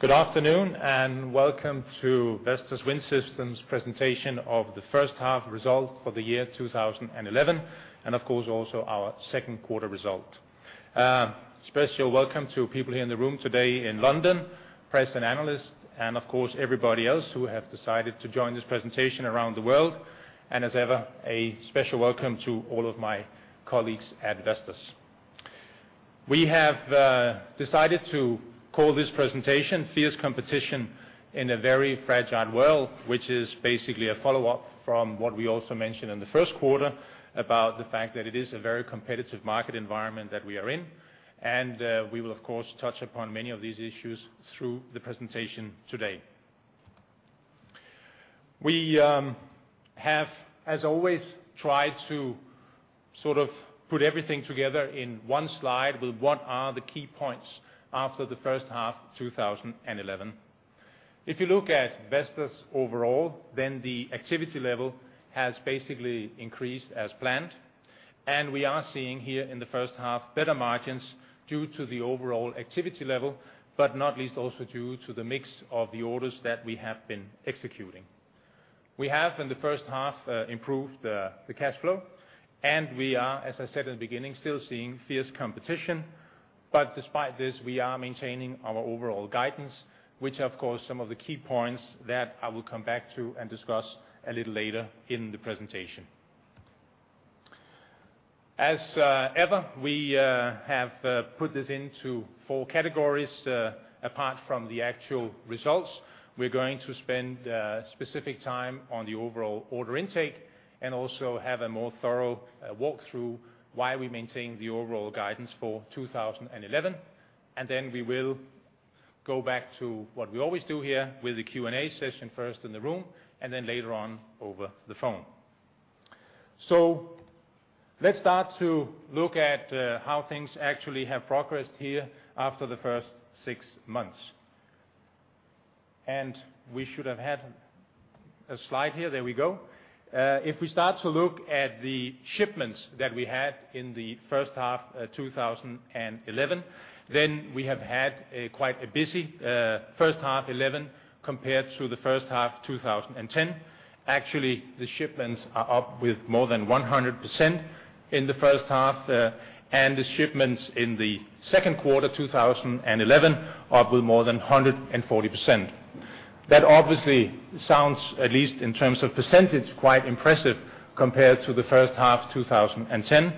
Good afternoon and welcome to Vestas Wind Systems' presentation of the first-half result for the year 2011 and, of course, also our second-quarter result. Special welcome to people here in the room today in London, press and analysts, and of course everybody else who have decided to join this presentation around the world, and as ever, a special welcome to all of my colleagues at Vestas. We have decided to call this presentation "Fierce Competition in a Very Fragile World," which is basically a follow-up from what we also mentioned in the first quarter about the fact that it is a very competitive market environment that we are in, and we will of course touch upon many of these issues through the presentation today. We have, as always, tried to sort of put everything together in one slide with what are the key points after the first half 2011. If you look at Vestas overall, then the activity level has basically increased as planned, and we are seeing here in the first half better margins due to the overall activity level, but not least also due to the mix of the orders that we have been executing. We have in the first half improved the cash flow, and we are, as I said in the beginning, still seeing fierce competition, but despite this we are maintaining our overall guidance, which are of course some of the key points that I will come back to and discuss a little later in the presentation. As ever, we have put this into four categories, apart from the actual results. We're going to spend specific time on the overall order intake and also have a more thorough walkthrough why we maintain the overall guidance for 2011, and then we will go back to what we always do here with the Q&A session first in the room and then later on over the phone. So let's start to look at how things actually have progressed here after the first six months. We should have had a slide here. There we go. If we start to look at the shipments that we had in the first half 2011, then we have had a quite a busy first half 2011 compared to the first half 2010. Actually, the shipments are up with more than 100% in the first half, and the shipments in the second quarter 2011 are up with more than 140%. That obviously sounds, at least in terms of percentage, quite impressive compared to the first half 2010,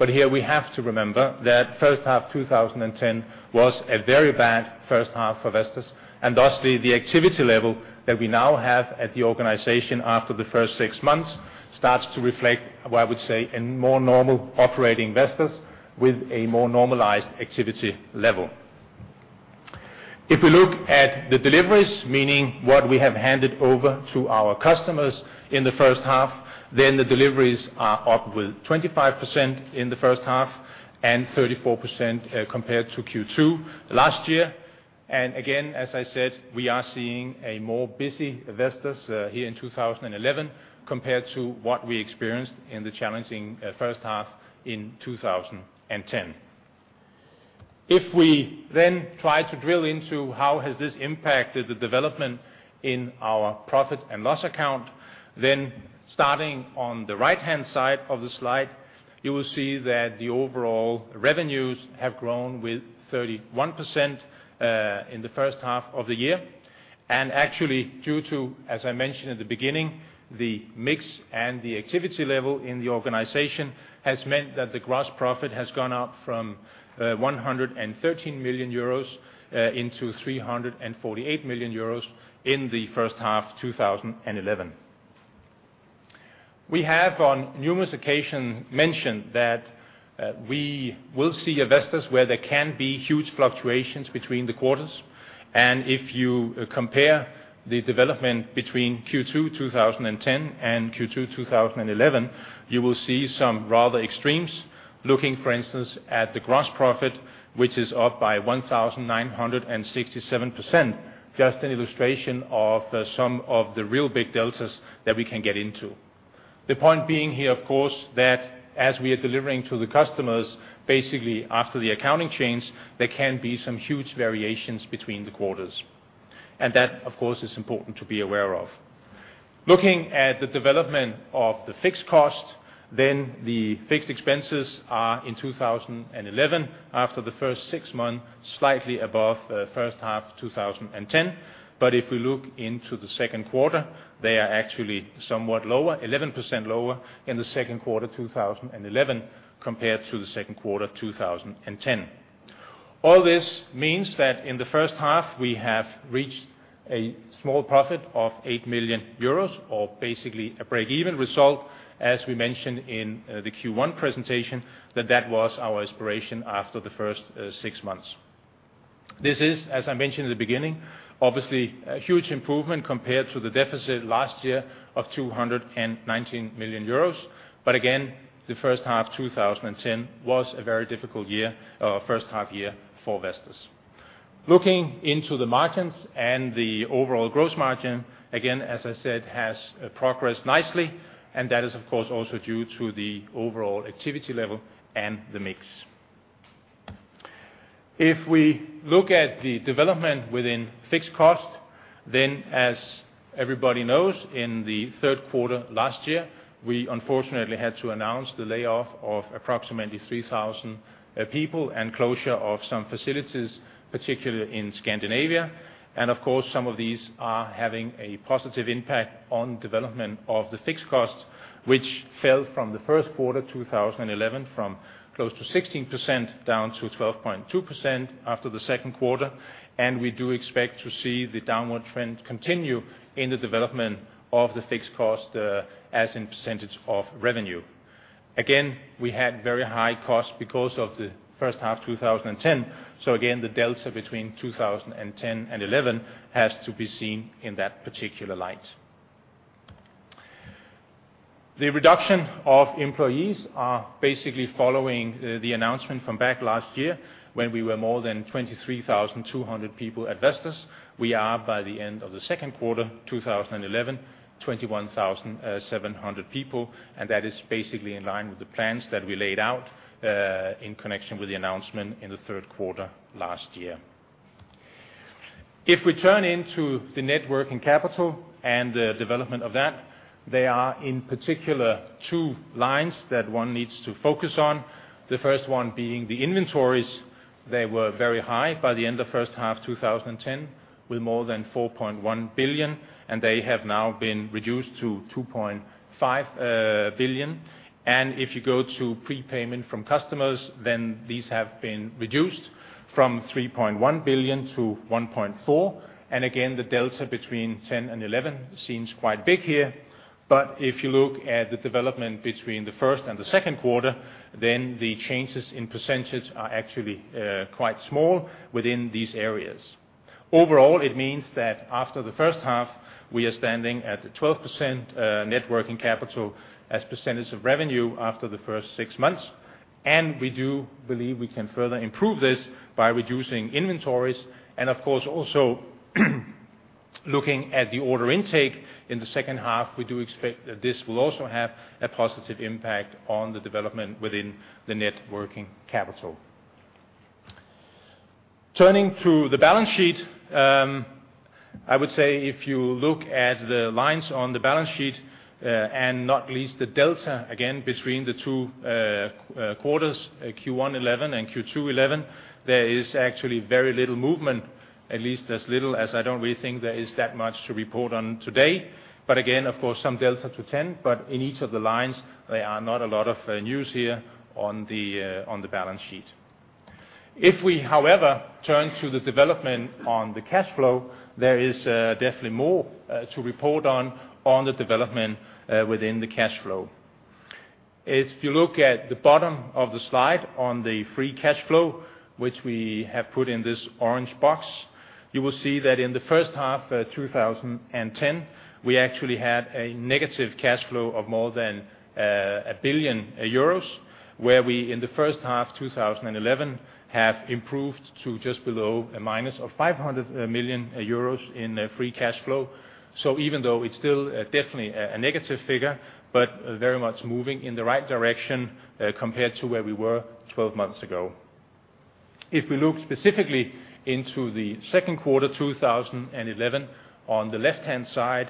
but here we have to remember that first half 2010 was a very bad first half for Vestas, and thusly the activity level that we now have at the organization after the first six months starts to reflect, I would say, a more normal operating Vestas with a more normalized activity level. If we look at the deliveries, meaning what we have handed over to our customers in the first half, then the deliveries are up with 25% in the first half and 34%, compared to Q2 last year. And again, as I said, we are seeing a more busy Vestas, here in 2011 compared to what we experienced in the challenging, first half in 2010. If we then try to drill into how has this impacted the development in our profit and loss account, then starting on the right-hand side of the slide, you will see that the overall revenues have grown with 31%, in the first half of the year. Actually, due to, as I mentioned at the beginning, the mix and the activity level in the organization has meant that the gross profit has gone up from 113 million euros into 348 million euros in the first half 2011. We have on numerous occasions mentioned that we will see a Vestas where there can be huge fluctuations between the quarters, and if you compare the development between Q2 2010 and Q2 2011, you will see some rather extremes, looking for instance at the gross profit, which is up by 1,967%, just an illustration of some of the real big deltas that we can get into. The point being here, of course, that as we are delivering to the customers, basically after the accounting change, there can be some huge variations between the quarters, and that, of course, is important to be aware of. Looking at the development of the fixed cost, then the fixed expenses are in 2011 after the first six months slightly above first half 2010, but if we look into the second quarter, they are actually somewhat lower, 11% lower in the second quarter 2011 compared to the second quarter 2010. All this means that in the first half we have reached a small profit of 8 million euros or basically a break-even result, as we mentioned in the Q1 presentation, that that was our aspiration after the first six months. This is, as I mentioned at the beginning, obviously a huge improvement compared to the deficit last year of 219 million euros, but again, the first half 2010 was a very difficult year, first half year for Vestas. Looking into the margins and the overall gross margin, again, as I said, has progressed nicely, and that is of course also due to the overall activity level and the mix. If we look at the development within fixed cost, then as everybody knows, in the third quarter last year we unfortunately had to announce the layoff of approximately 3,000 people and closure of some facilities, particularly in Scandinavia, and of course some of these are having a positive impact on development of the fixed cost, which fell from the first quarter 2011 from close to 16% down to 12.2% after the second quarter, and we do expect to see the downward trend continue in the development of the fixed cost, as in percentage of revenue. Again, we had very high costs because of the first half 2010, so again the delta between 2010 and 2011 has to be seen in that particular light. The reduction of employees are basically following the announcement from back last year when we were more than 23,200 people at Vestas. We are by the end of the second quarter 2011, 21,700 people, and that is basically in line with the plans that we laid out, in connection with the announcement in the third quarter last year. If we turn into the net working capital and the development of that, there are in particular two lines that one needs to focus on, the first one being the inventories. They were very high by the end of first half 2010 with more than 4.1 billion, and they have now been reduced to 2.5 billion, and if you go to prepayment from customers then these have been reduced from 3.1 billion to 1.4 billion, and again the delta between 2010 and 2011 seems quite big here, but if you look at the development between the first and the second quarter then the changes in percentage are actually quite small within these areas. Overall it means that after the first half we are standing at the 12%, net working capital as percentage of revenue after the first six months, and we do believe we can further improve this by reducing inventories, and of course also looking at the order intake in the second half we do expect that this will also have a positive impact on the development within the net working capital. Turning to the balance sheet, I would say if you look at the lines on the balance sheet, and not least the delta again between the two quarters, Q1 2011 and Q2 2011, there is actually very little movement, at least as little as I don't really think there is that much to report on today, but again, of course, some delta to 2010, but in each of the lines there are not a lot of news here on the on the balance sheet. If we, however, turn to the development on the cash flow, there is definitely more to report on, on the development, within the cash flow. If you look at the bottom of the slide on the free cash flow, which we have put in this orange box, you will see that in the first half 2010 we actually had a negative cash flow of more than 1 billion euros, where we in the first half 2011 have improved to just below a minus of 500 million euros in free cash flow, so even though it's still definitely a negative figure, but very much moving in the right direction, compared to where we were 12 months ago. If we look specifically into the second quarter 2011, on the left-hand side,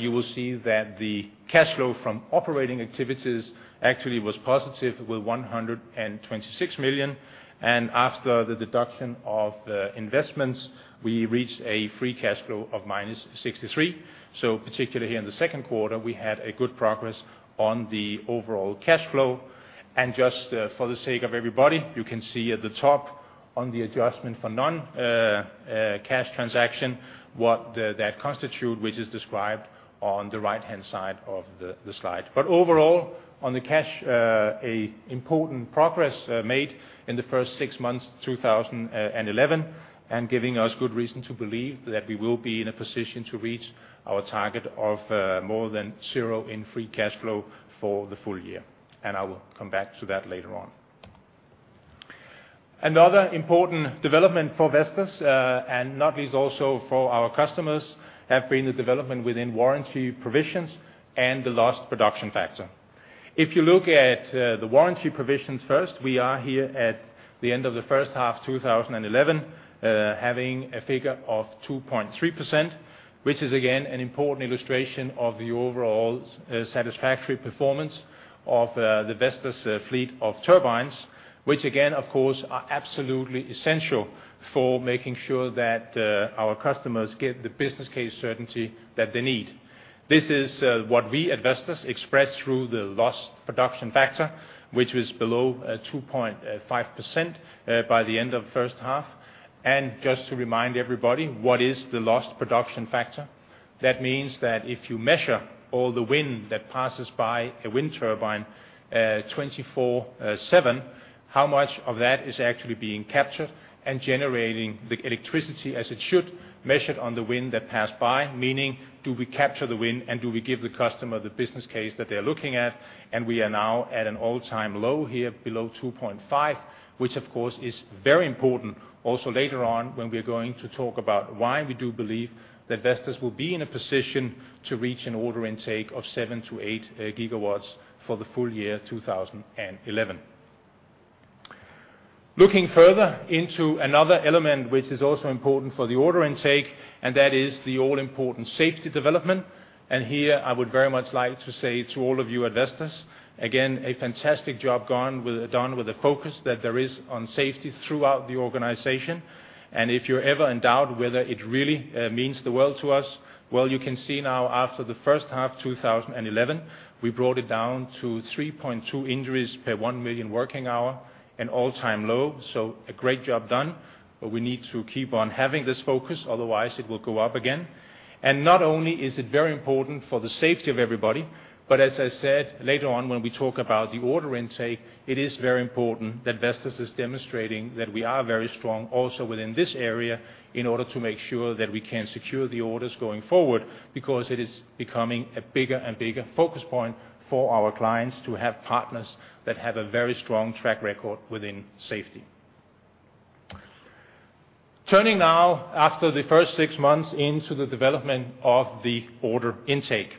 you will see that the cash flow from operating activities actually was positive with 126 million, and after the deduction of investments we reached a free cash flow of -63 million, so particularly here in the second quarter we had a good progress on the overall cash flow, and just, for the sake of everybody, you can see at the top on the adjustment for non-cash transaction what that constituted, which is described on the right-hand side of the slide. But overall on the cash, an important progress made in the first six months 2011 and giving us good reason to believe that we will be in a position to reach our target of more than zero in free cash flow for the full year, and I will come back to that later on. Another important development for Vestas, and not least also for our customers, have been the development within warranty provisions and the lost production factor. If you look at, the warranty provisions first, we are here at the end of the first half 2011, having a figure of 2.3%, which is again an important illustration of the overall, satisfactory performance of, the Vestas, fleet of turbines, which again, of course, are absolutely essential for making sure that, our customers get the business case certainty that they need. This is, what we at Vestas expressed through the lost production factor, which was below, 2.5%, by the end of first half. And just to remind everybody, what is the lost production factor? That means that if you measure all the wind that passes by a wind turbine, 24/7, how much of that is actually being captured and generating the electricity as it should measured on the wind that passed by, meaning do we capture the wind and do we give the customer the business case that they're looking at, and we are now at an all-time low here below 2.5, which of course is very important also later on when we're going to talk about why we do believe that Vestas will be in a position to reach an order intake of 7-8 GW for the full year 2011. Looking further into another element which is also important for the order intake, and that is the all-important safety development, and here I would very much like to say to all of you at Vestas, again, a fantastic job gone with done with the focus that there is on safety throughout the organization, and if you're ever in doubt whether it really means the world to us, well you can see now after the first half 2011 we brought it down to 3.2 injuries per 1 million working hour, an all-time low, so a great job done, but we need to keep on having this focus, otherwise it will go up again. Not only is it very important for the safety of everybody, but as I said later on when we talk about the order intake, it is very important that Vestas is demonstrating that we are very strong also within this area in order to make sure that we can secure the orders going forward because it is becoming a bigger and bigger focus point for our clients to have partners that have a very strong track record within safety. Turning now after the first six months into the development of the order intake.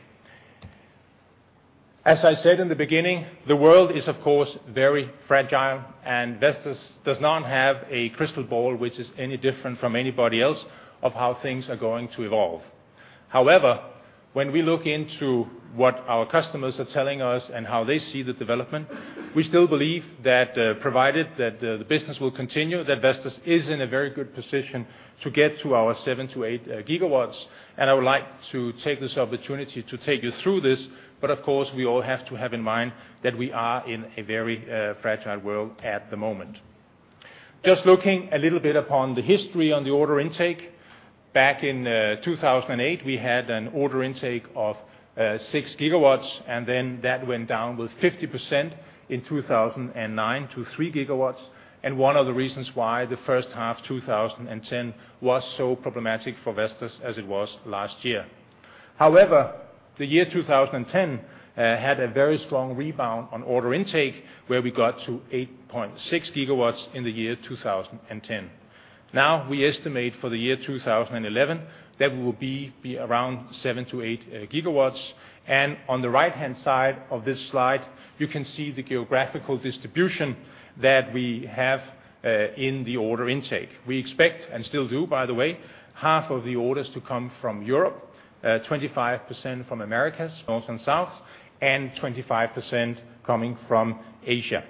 As I said in the beginning, the world is of course very fragile and Vestas does not have a crystal ball which is any different from anybody else of how things are going to evolve. However, when we look into what our customers are telling us and how they see the development, we still believe that, provided that, the business will continue, that Vestas is in a very good position to get to our 7-8 GW, and I would like to take this opportunity to take you through this, but of course we all have to have in mind that we are in a very fragile world at the moment. Just looking a little bit upon the history on the order intake, back in 2008 we had an order intake of 6 GW and then that went down with 50% in 2009 to 3 GW, and one of the reasons why the first half 2010 was so problematic for Vestas as it was last year. However, the year 2010 had a very strong rebound on order intake where we got to 8.6 GW in the year 2010. Now we estimate for the year 2011 that we will be around 7-8 GW, and on the right-hand side of this slide you can see the geographical distribution that we have in the order intake. We expect, and still do by the way, half of the orders to come from Europe, 25% from America, North and South, and 25% coming from Asia.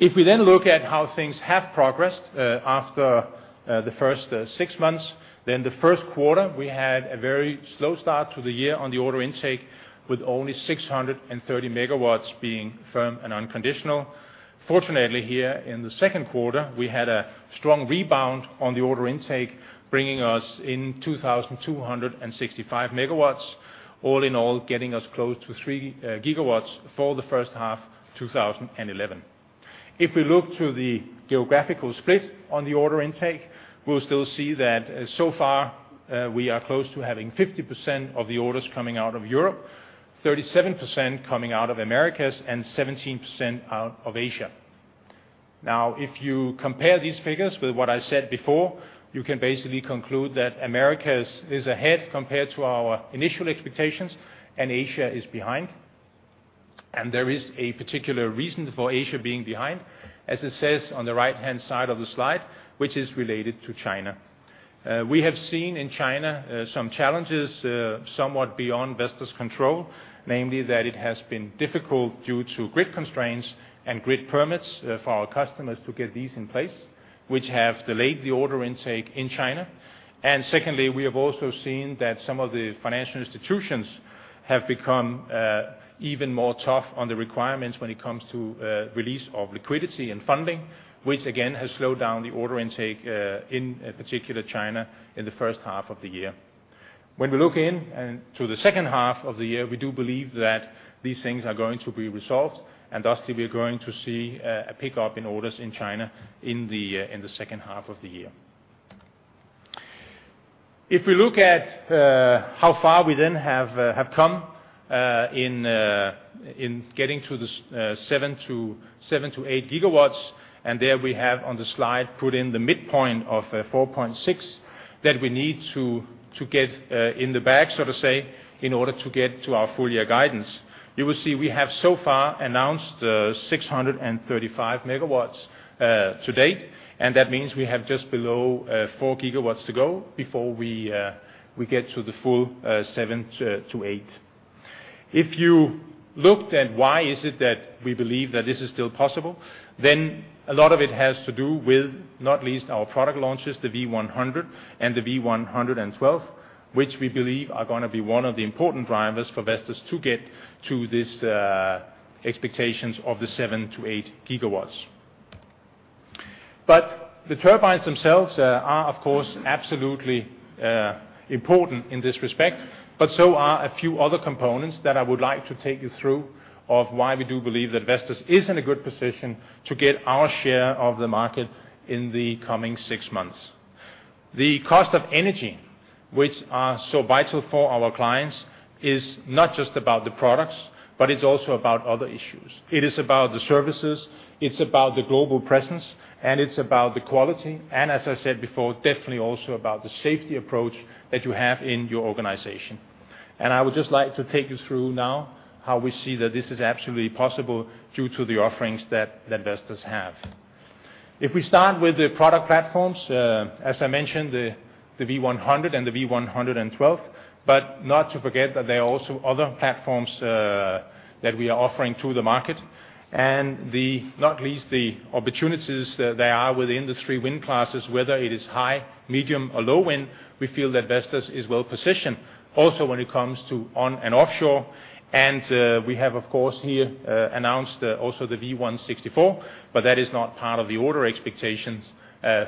If we then look at how things have progressed after the first six months, then the first quarter we had a very slow start to the year on the order intake with only 630 MW being firm and unconditional. Fortunately here in the second quarter we had a strong rebound on the order intake bringing us in 2,265 MW, all in all getting us close to 3 GW for the first half 2011. If we look to the geographical split on the order intake, we'll still see that, so far, we are close to having 50% of the orders coming out of Europe, 37% coming out of America, and 17% out of Asia. Now if you compare these figures with what I said before, you can basically conclude that America is ahead compared to our initial expectations and Asia is behind, and there is a particular reason for Asia being behind, as it says on the right-hand side of the slide, which is related to China. We have seen in China some challenges, somewhat beyond Vestas' control, namely that it has been difficult due to grid constraints and grid permits for our customers to get these in place, which have delayed the order intake in China. And secondly, we have also seen that some of the financial institutions have become even more tough on the requirements when it comes to release of liquidity and funding, which again has slowed down the order intake, in particular China, in the first half of the year. When we look into the second half of the year, we do believe that these things are going to be resolved and thusly we're going to see a pickup in orders in China in the second half of the year. If we look at how far we have come in getting to the 7-8 GW range, and there we have on the slide put in the midpoint of 4.6 that we need to get in the bag, so to say, in order to get to our full year guidance. You will see we have so far announced 635 MW to date, and that means we have just below 4 GW to go before we get to the full 7-8. If you looked at why it is that we believe that this is still possible, then a lot of it has to do with, not least, our product launches, the V100 and the V112, which we believe are going to be one of the important drivers for Vestas to get to these expectations of the 7-8 GW. But the turbines themselves are of course absolutely important in this respect, but so are a few other components that I would like to take you through of why we do believe that Vestas is in a good position to get our share of the market in the coming six months. The cost of energy, which are so vital for our clients, is not just about the products, but it's also about other issues. It is about the services, it's about the global presence, and it's about the quality, and as I said before, definitely also about the safety approach that you have in your organization. I would just like to take you through now how we see that this is absolutely possible due to the offerings that Vestas have. If we start with the product platforms, as I mentioned, the V100 and the V112, but not to forget that there are also other platforms that we are offering to the market, and not least the opportunities that there are within the three wind classes, whether it is high, medium, or low wind, we feel that Vestas is well positioned also when it comes to on and offshore, and we have of course here announced also the V164, but that is not part of the order expectations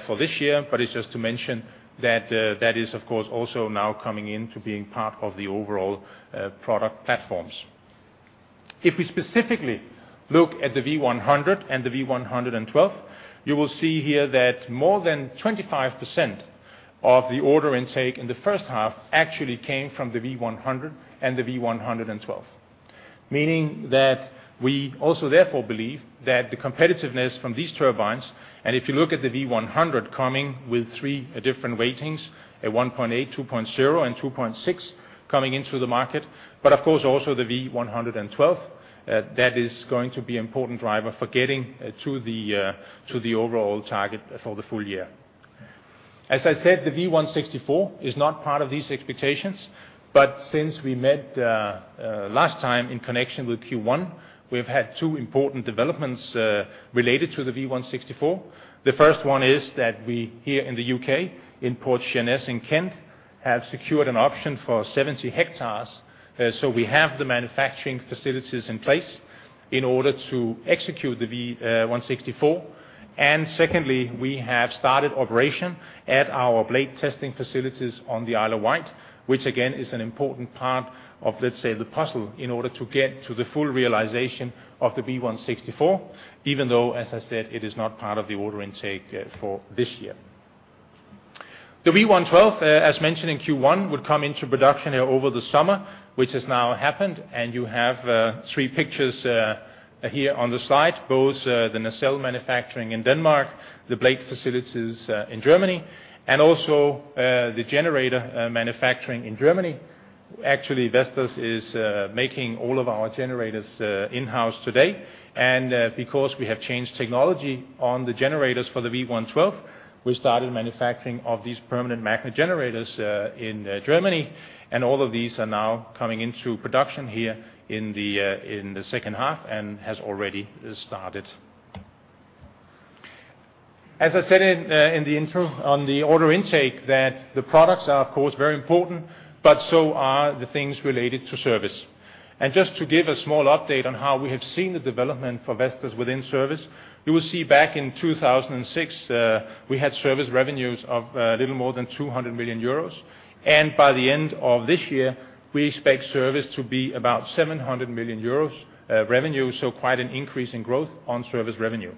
for this year, but it's just to mention that that is of course also now coming into being part of the overall product platforms. If we specifically look at the V100 and the V112, you will see here that more than 25% of the order intake in the first half actually came from the V100 and the V112, meaning that we also therefore believe that the competitiveness from these turbines, and if you look at the V100 coming with three different weightings, a 1.8, 2.0, and 2.6 coming into the market, but of course also the V112, that is going to be an important driver for getting, to the, to the overall target for the full year. As I said, the V164 is not part of these expectations, but since we met, last time in connection with Q1, we have had two important developments, related to the V164. The first one is that we here in the U.K., in Port of Sheerness in Kent, have secured an option for 70 hectares, so we have the manufacturing facilities in place in order to execute the V164, and secondly we have started operation at our blade testing facilities on the Isle of Wight, which again is an important part of, let's say, the puzzle in order to get to the full realization of the V164, even though, as I said, it is not part of the order intake for this year. The V112, as mentioned in Q1, would come into production here over the summer, which has now happened, and you have three pictures here on the slide, both the nacelle manufacturing in Denmark, the blade facilities in Germany, and also the generator manufacturing in Germany. Actually, Vestas is making all of our generators in-house today, and because we have changed technology on the generators for the V112, we started manufacturing of these permanent magnet generators in Germany, and all of these are now coming into production here in the second half and has already started. As I said in the intro on the order intake, that the products are of course very important, but so are the things related to service. And just to give a small update on how we have seen the development for Vestas within service, you will see back in 2006, we had service revenues of a little more than 200 million euros, and by the end of this year we expect service to be about 700 million euros revenue, so quite an increase in growth on service revenue.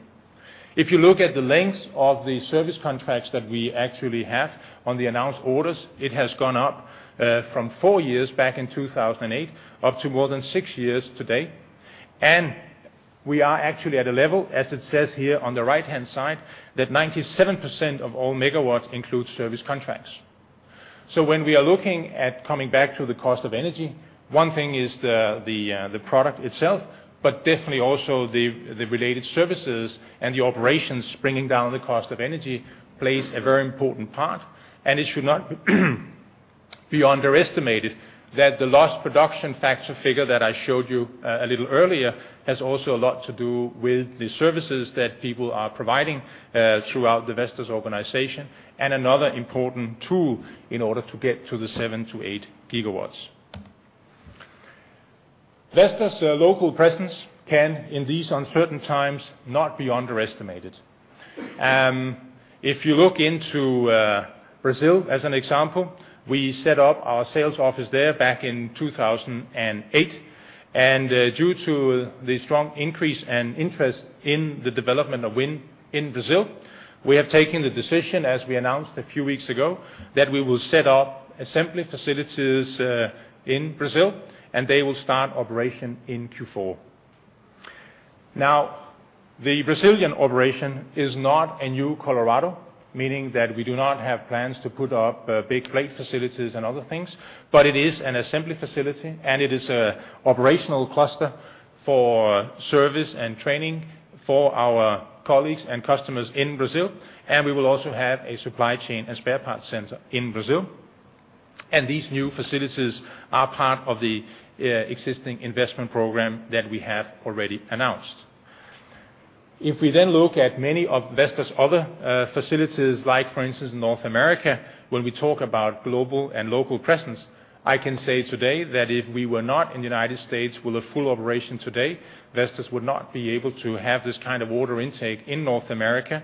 If you look at the lengths of the service contracts that we actually have on the announced orders, it has gone up, from 4 years back in 2008 up to more than 6 years today, and we are actually at a level, as it says here on the right-hand side, that 97% of all MW include service contracts. So when we are looking at coming back to the cost of energy, one thing is the product itself, but definitely also the related services and the operations bringing down the cost of energy plays a very important part, and it should not be underestimated that the lost production factor figure that I showed you a little earlier has also a lot to do with the services that people are providing throughout the Vestas organization, and another important tool in order to get to the 7-8 GW. Vestas local presence can in these uncertain times not be underestimated. If you look into Brazil as an example, we set up our sales office there back in 2008, and due to the strong increase and interest in the development of wind in Brazil, we have taken the decision, as we announced a few weeks ago, that we will set up assembly facilities in Brazil and they will start operation in Q4. Now, the Brazilian operation is not a new Colorado, meaning that we do not have plans to put up big blade facilities and other things, but it is an assembly facility and it is an operational cluster for service and training for our colleagues and customers in Brazil, and we will also have a supply chain and spare parts center in Brazil, and these new facilities are part of the existing investment program that we have already announced. If we then look at many of Vestas' other facilities like, for instance, North America, when we talk about global and local presence, I can say today that if we were not in the United States with a full operation today, Vestas would not be able to have this kind of order intake in North America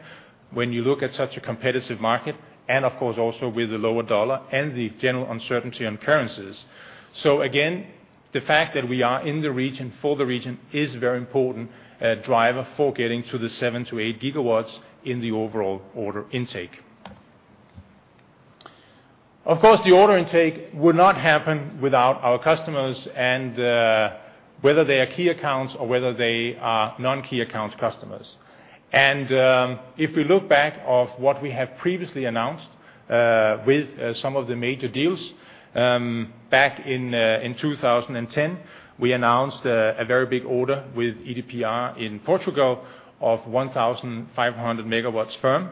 when you look at such a competitive market, and of course also with the lower US dollar and the general uncertainty on currencies. So again, the fact that we are in the region for the region is a very important driver for getting to the 7-8 GW in the overall order intake. Of course, the order intake would not happen without our customers and whether they are key accounts or whether they are non-key account customers. If we look back at what we have previously announced, with some of the major deals back in 2010, we announced a very big order with EDPR in Portugal of 1,500 MW firm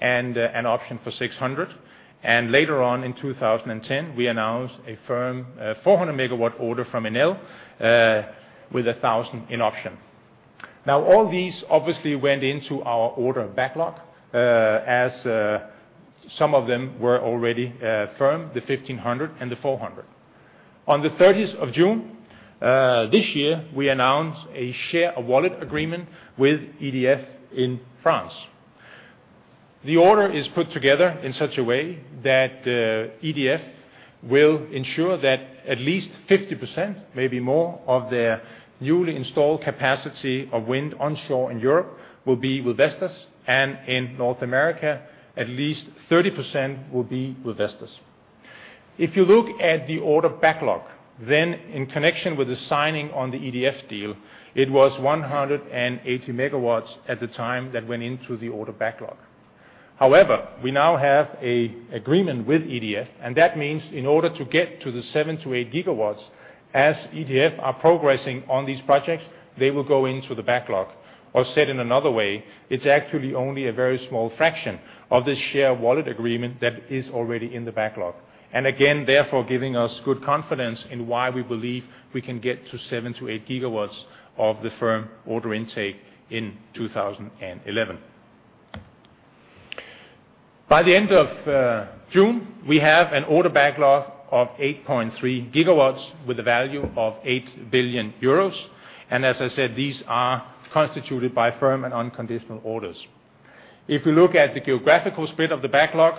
and an option for 600, and later on in 2010 we announced a firm 400-megawatt order from Enel, with 1,000 in option. Now, all these obviously went into our order backlog, as some of them were already firm, the 1,500 and the 400. On the 30th of June, this year we announced a share of wallet agreement with EDF in France. The order is put together in such a way that EDF will ensure that at least 50%, maybe more, of their newly installed capacity of wind onshore in Europe will be with Vestas, and in North America at least 30% will be with Vestas. If you look at the order backlog, then in connection with the signing on the EDF deal, it was 180 MW at the time that went into the order backlog. However, we now have an agreement with EDF, and that means in order to get to the 7-8 GW, as EDF are progressing on these projects, they will go into the backlog. Or said in another way, it's actually only a very small fraction of this share of wallet agreement that is already in the backlog, and again therefore giving us good confidence in why we believe we can get to 7-8 GW of the firm order intake in 2011. By the end of June, we have an order backlog of 8.3 GW with a value of 8 billion euros, and as I said, these are constituted by firm and unconditional orders. If we look at the geographical split of the backlog,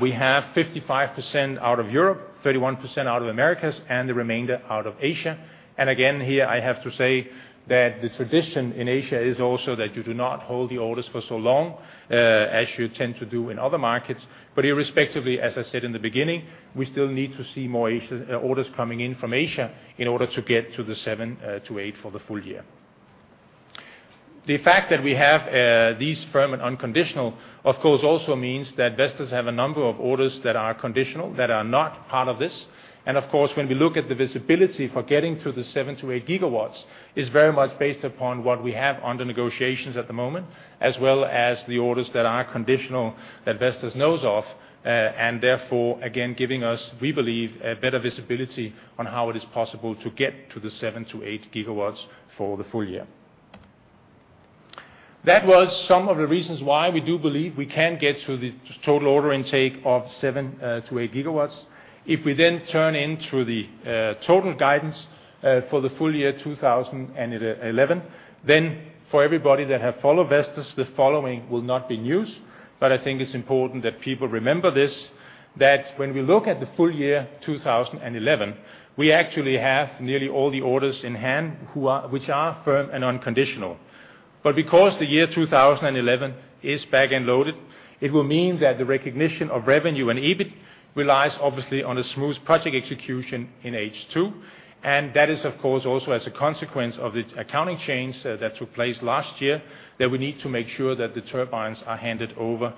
we have 55% out of Europe, 31% out of Americas, and the remainder out of Asia, and again here I have to say that the tradition in Asia is also that you do not hold the orders for so long, as you tend to do in other markets, but irrespectively, as I said in the beginning, we still need to see more Asia orders coming in from Asia in order to get to the 7-8 for the full year. The fact that we have these firm and unconditional, of course also means that Vestas have a number of orders that are conditional, that are not part of this, and of course when we look at the visibility for getting to the 7-8 GW is very much based upon what we have under negotiations at the moment, as well as the orders that are conditional that Vestas knows of, and therefore again giving us, we believe, a better visibility on how it is possible to get to the 7-8 GW for the full year. That was some of the reasons why we do believe we can get to the total order intake of 7-8 GW. If we then turn to the total guidance for the full year 2011, then for everybody that have followed Vestas, the following will not be news, but I think it's important that people remember this, that when we look at the full year 2011, we actually have nearly all the orders in hand which are firm and unconditional. But because the year 2011 is back-loaded, it will mean that the recognition of revenue and EBIT relies obviously on a smooth project execution in H2, and that is of course also as a consequence of the accounting change that took place last year, that we need to make sure that the turbines are handed over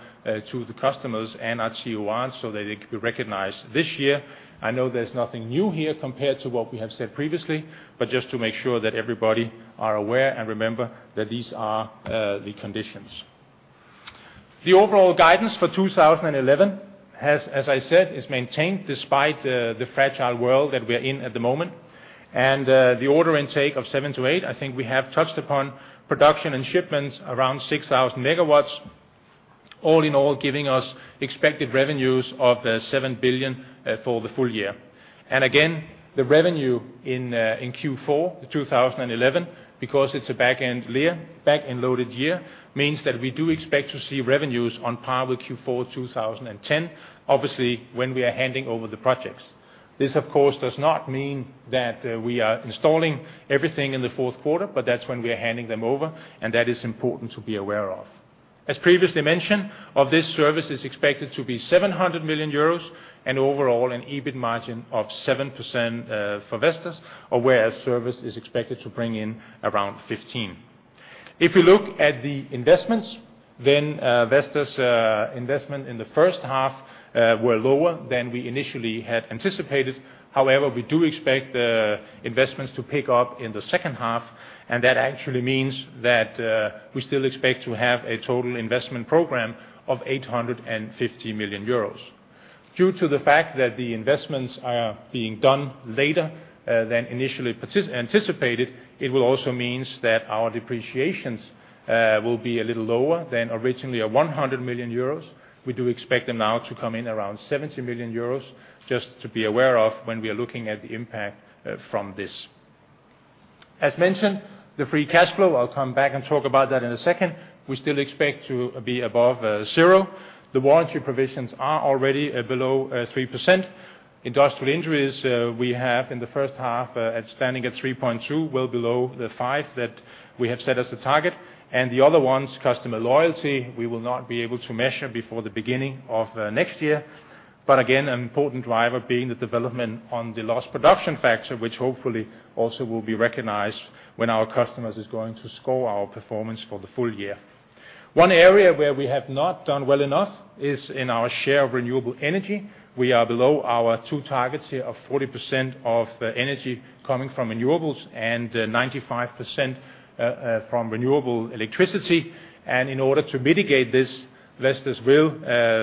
to the customers and our CORs so that they can be recognized this year. I know there's nothing new here compared to what we have said previously, but just to make sure that everybody are aware and remember that these are the conditions. The overall guidance for 2011 has, as I said, is maintained despite the fragile world that we are in at the moment, and the order intake of 7-8, I think we have touched upon, production and shipments around 6,000 MW, all in all giving us expected revenues of 7 billion for the full year. And again, the revenue in Q4 2011, because it's a back-end loaded year, means that we do expect to see revenues on par with Q4 2010, obviously when we are handing over the projects. This of course does not mean that, we are installing everything in the fourth quarter, but that's when we are handing them over, and that is important to be aware of. As previously mentioned, of this service is expected to be 700 million euros and overall an EBIT margin of 7%, for Vestas, whereas service is expected to bring in around 15%. If we look at the investments, then, Vestas, investment in the first half, were lower than we initially had anticipated. However, we do expect, investments to pick up in the second half, and that actually means that, we still expect to have a total investment program of 850 million euros. Due to the fact that the investments are being done later, than initially participated, it will also mean that our depreciations, will be a little lower than originally at 100 million euros. We do expect them now to come in around 70 million euros, just to be aware of when we are looking at the impact from this. As mentioned, the free cash flow, I'll come back and talk about that in a second, we still expect to be above zero. The warranty provisions are already below 3%. Industrial injuries, we have in the first half now standing at 3.2%, well below the 5% that we have set as the target, and the other ones, customer loyalty, we will not be able to measure before the beginning of next year, but again an important driver being the development on the lost production factor, which hopefully also will be recognized when our customers are going to score our performance for the full year. One area where we have not done well enough is in our share of renewable energy. We are below our two targets here of 40% of energy coming from renewables and 95% from renewable electricity, and in order to mitigate this, Vestas will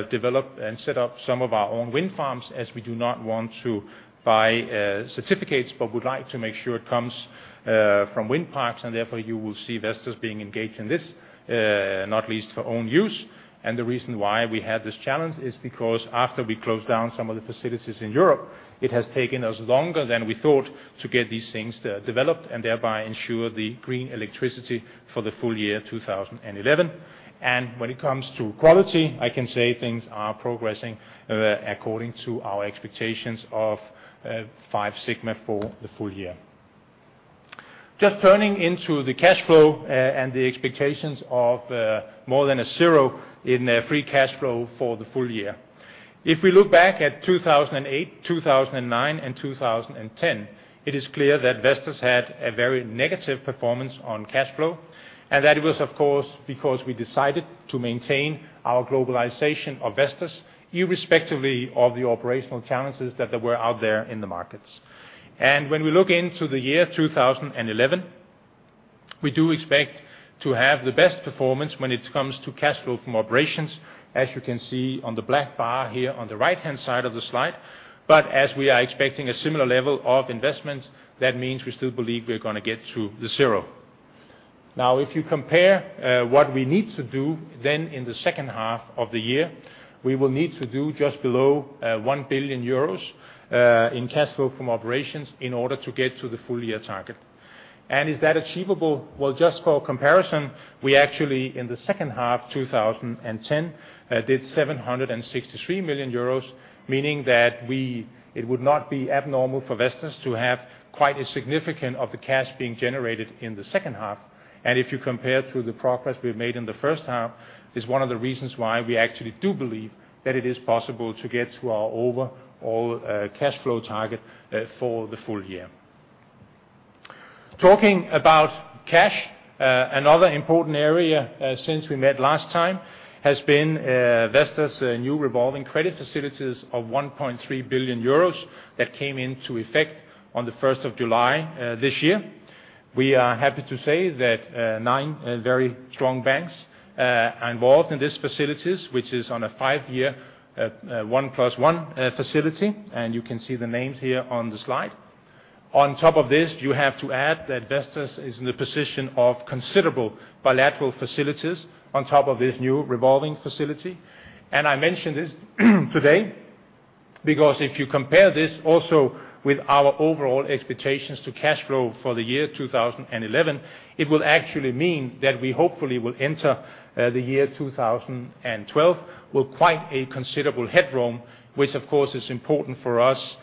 develop and set up some of our own wind farms as we do not want to buy certificates but would like to make sure it comes from wind parks, and therefore you will see Vestas being engaged in this, not least for own use. The reason why we had this challenge is because after we closed down some of the facilities in Europe, it has taken us longer than we thought to get these things developed and thereby ensure the green electricity for the full year 2011. When it comes to quality, I can say things are progressing according to our expectations of 5 sigma for the full year. Just turning to the cash flow and the expectations of more than zero in free cash flow for the full year. If we look back at 2008, 2009, and 2010, it is clear that Vestas had a very negative performance on cash flow, and that it was of course because we decided to maintain our globalization of Vestas, irrespective of the operational challenges that there were out there in the markets. When we look into the year 2011, we do expect to have the best performance when it comes to cash flow from operations, as you can see on the black bar here on the right-hand side of the slide, but as we are expecting a similar level of investment, that means we still believe we are going to get to zero. Now, if you compare what we need to do, then in the second half of the year, we will need to do just below 1 billion euros in cash flow from operations in order to get to the full year target. Is that achievable? Well, just for comparison, we actually in the second half 2010 did 763 million euros, meaning that it would not be abnormal for Vestas to have quite as significant of the cash being generated in the second half, and if you compare to the progress we have made in the first half, it's one of the reasons why we actually do believe that it is possible to get to our overall cash flow target for the full year. Talking about cash, another important area since we met last time has been Vestas' new revolving credit facilities of 1.3 billion euros that came into effect on the 1st of July this year. We are happy to say that nine very strong banks are involved in these facilities, which is on a five-year, one plus one, facility, and you can see the names here on the slide. On top of this, you have to add that Vestas is in the position of considerable bilateral facilities on top of this new revolving facility, and I mentioned this today because if you compare this also with our overall expectations to cash flow for the year 2011, it will actually mean that we hopefully will enter, the year 2012 with quite a considerable headroom, which of course is important for us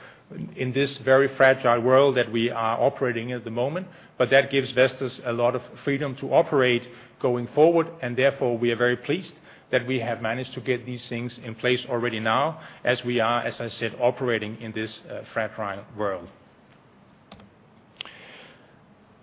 in this very fragile world that we are operating in at the moment, but that gives Vestas a lot of freedom to operate going forward, and therefore we are very pleased that we have managed to get these things in place already now as we are, as I said, operating in this, fragile world.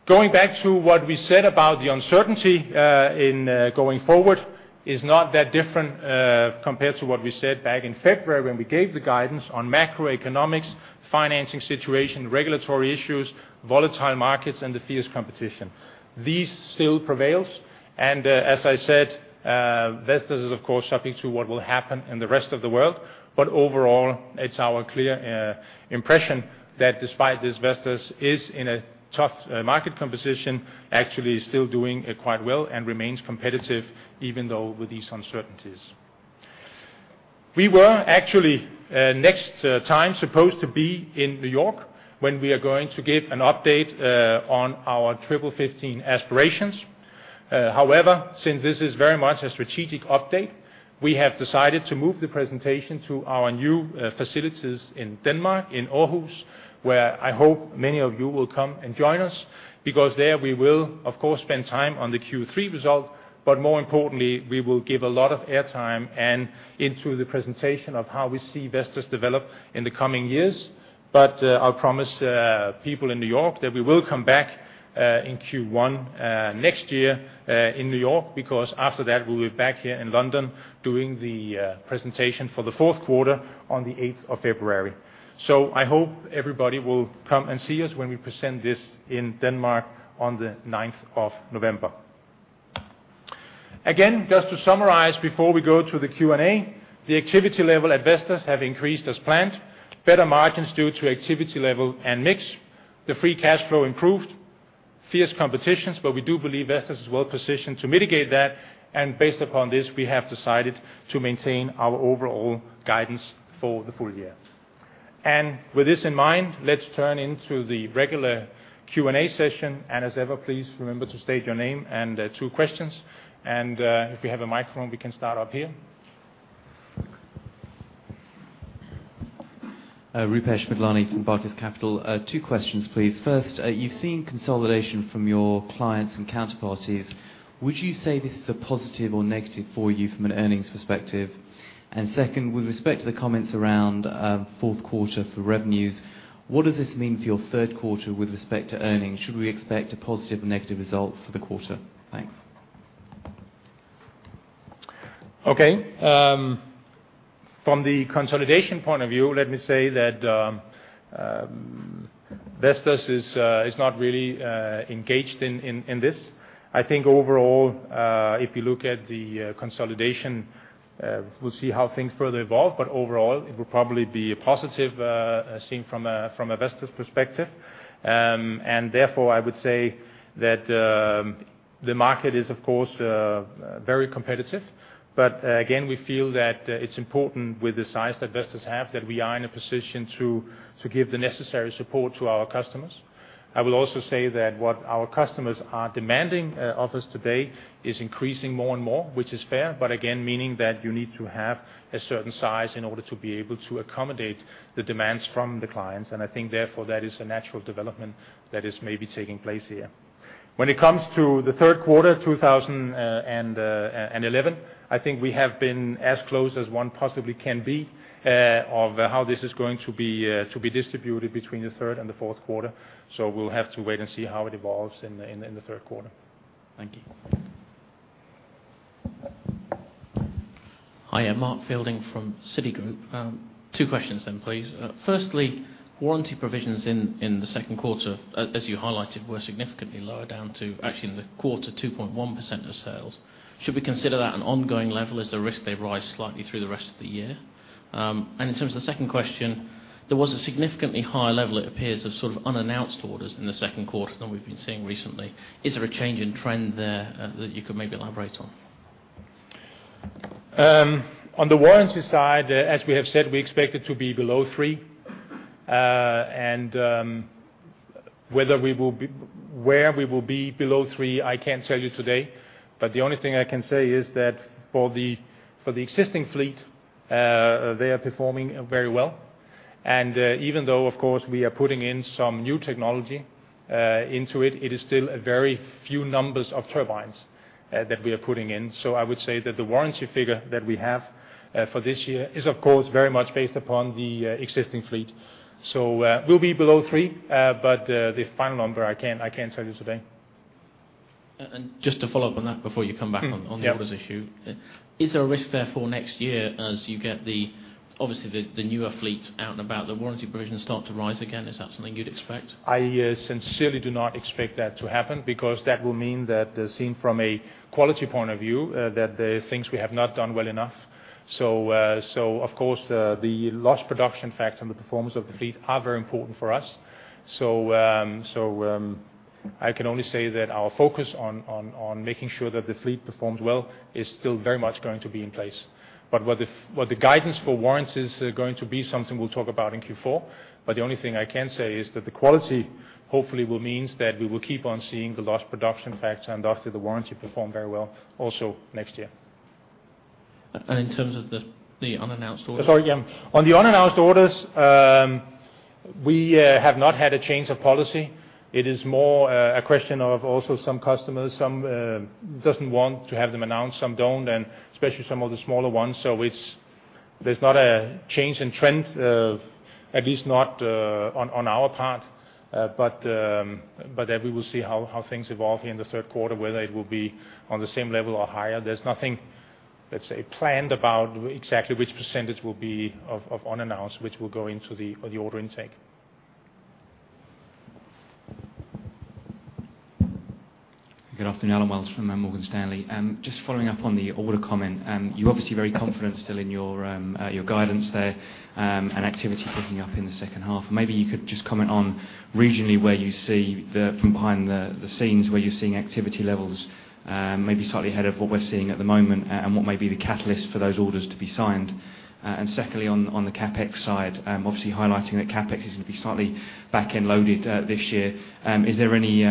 Going back to what we said about the uncertainty in going forward is not that different compared to what we said back in February when we gave the guidance on macroeconomics, financing situation, regulatory issues, volatile markets, and the fierce competition. These still prevail, and as I said, Vestas is of course subject to what will happen in the rest of the world, but overall it's our clear impression that despite this Vestas is in a tough market composition, actually still doing quite well and remains competitive even though with these uncertainties. We were actually next time supposed to be in New York when we are going to give an update on our Triple15 aspirations. However, since this is very much a strategic update, we have decided to move the presentation to our new facilities in Denmark, in Aarhus, where I hope many of you will come and join us, because there we will of course spend time on the Q3 result, but more importantly we will give a lot of airtime and into the presentation of how we see Vestas develop in the coming years, but I'll promise people in New York that we will come back in Q1 next year in New York, because after that we'll be back here in London doing the presentation for the fourth quarter on the 8th of February. So I hope everybody will come and see us when we present this in Denmark on the 9th of November. Again, just to summarize before we go to the Q&A, the activity level at Vestas has increased as planned, better margins due to activity level and mix, the Free Cash Flow improved, fierce competitions, but we do believe Vestas is well positioned to mitigate that, and based upon this we have decided to maintain our overall guidance for the full year. With this in mind, let's turn into the regular Q&A session, and as ever please remember to state your name and two questions, and if we have a microphone we can start up here. Rupesh Madlani from Barclays Capital. Two questions please. First, you've seen consolidation from your clients and counterparties. Would you say this is a positive or negative for you from an earnings perspective? And second, with respect to the comments around fourth quarter for revenues, what does this mean for your third quarter with respect to earnings? Should we expect a positive or negative result for the quarter? Thanks. Okay, from the consolidation point of view, let me say that Vestas is not really engaged in this. I think overall, if you look at the consolidation, we'll see how things further evolve, but overall it will probably be a positive, seen from a Vestas perspective, and therefore I would say that the market is of course very competitive, but again we feel that it's important with the size that Vestas have that we are in a position to give the necessary support to our customers. I will also say that what our customers are demanding of us today is increasing more and more, which is fair, but again meaning that you need to have a certain size in order to be able to accommodate the demands from the clients, and I think therefore that is a natural development that is maybe taking place here. When it comes to the third quarter 2010 and '11, I think we have been as close as one possibly can be of how this is going to be to be distributed between the third and the fourth quarter, so we'll have to wait and see how it evolves in the third quarter. Thank you. Hi, I'm Mark Fielding from Citigroup. Two questions then please. Firstly, warranty provisions in the second quarter, as you highlighted, were significantly lower down to actually in the quarter 2.1% of sales. Should we consider that an ongoing level as the risk they rise slightly through the rest of the year? And in terms of the second question, there was a significantly higher level it appears of sort of unannounced orders in the second quarter than we've been seeing recently. Is there a change in trend there, that you could maybe elaborate on? On the warranty side, as we have said, we expect it to be below three, and whether we will be below three I can't tell you today, but the only thing I can say is that for the existing fleet, they are performing very well, and even though of course we are putting in some new technology into it, it is still a very few numbers of turbines that we are putting in, so I would say that the warranty figure that we have for this year is of course very much based upon the existing fleet. So, we'll be below three, but the final number I can't tell you today. And just to follow up on that before you come back on the orders issue. Yeah. Is there a risk therefore next year as you get the obviously the newer fleet out and about, the warranty provisions start to rise again? Is that something you'd expect? I sincerely do not expect that to happen because that will mean that, seen from a quality point of view, that things we have not done well enough. So of course, the lost production factor and the performance of the fleet are very important for us, so I can only say that our focus on making sure that the fleet performs well is still very much going to be in place. But what the guidance for warranties is going to be something we'll talk about in Q4, but the only thing I can say is that the quality hopefully will mean that we will keep on seeing the Lost Production Factor and thus the warranties perform very well also next year. And in terms of the unannounced orders? Sorry, yeah. On the unannounced orders, we have not had a change of policy. It is more a question of also some customers, some don't want to have them announced, some don't, and especially some of the smaller ones, so there's not a change in trend, at least not on our part, but then we will see how things evolve here in the third quarter, whether it will be on the same level or higher. There's nothing, let's say, planned about exactly which percentage will be of unannounced, which will go into the order intake. Good afternoon, Allen Wells from Morgan Stanley. Just following up on the order comment, you're obviously very confident still in your guidance there, and activity picking up in the second half. Maybe you could just comment on regionally where you see the from behind the scenes where you're seeing activity levels, maybe slightly ahead of what we're seeing at the moment, and what may be the catalyst for those orders to be signed. And secondly, on the CapEx side, obviously highlighting that CapEx is going to be slightly back-end loaded, this year. Is there any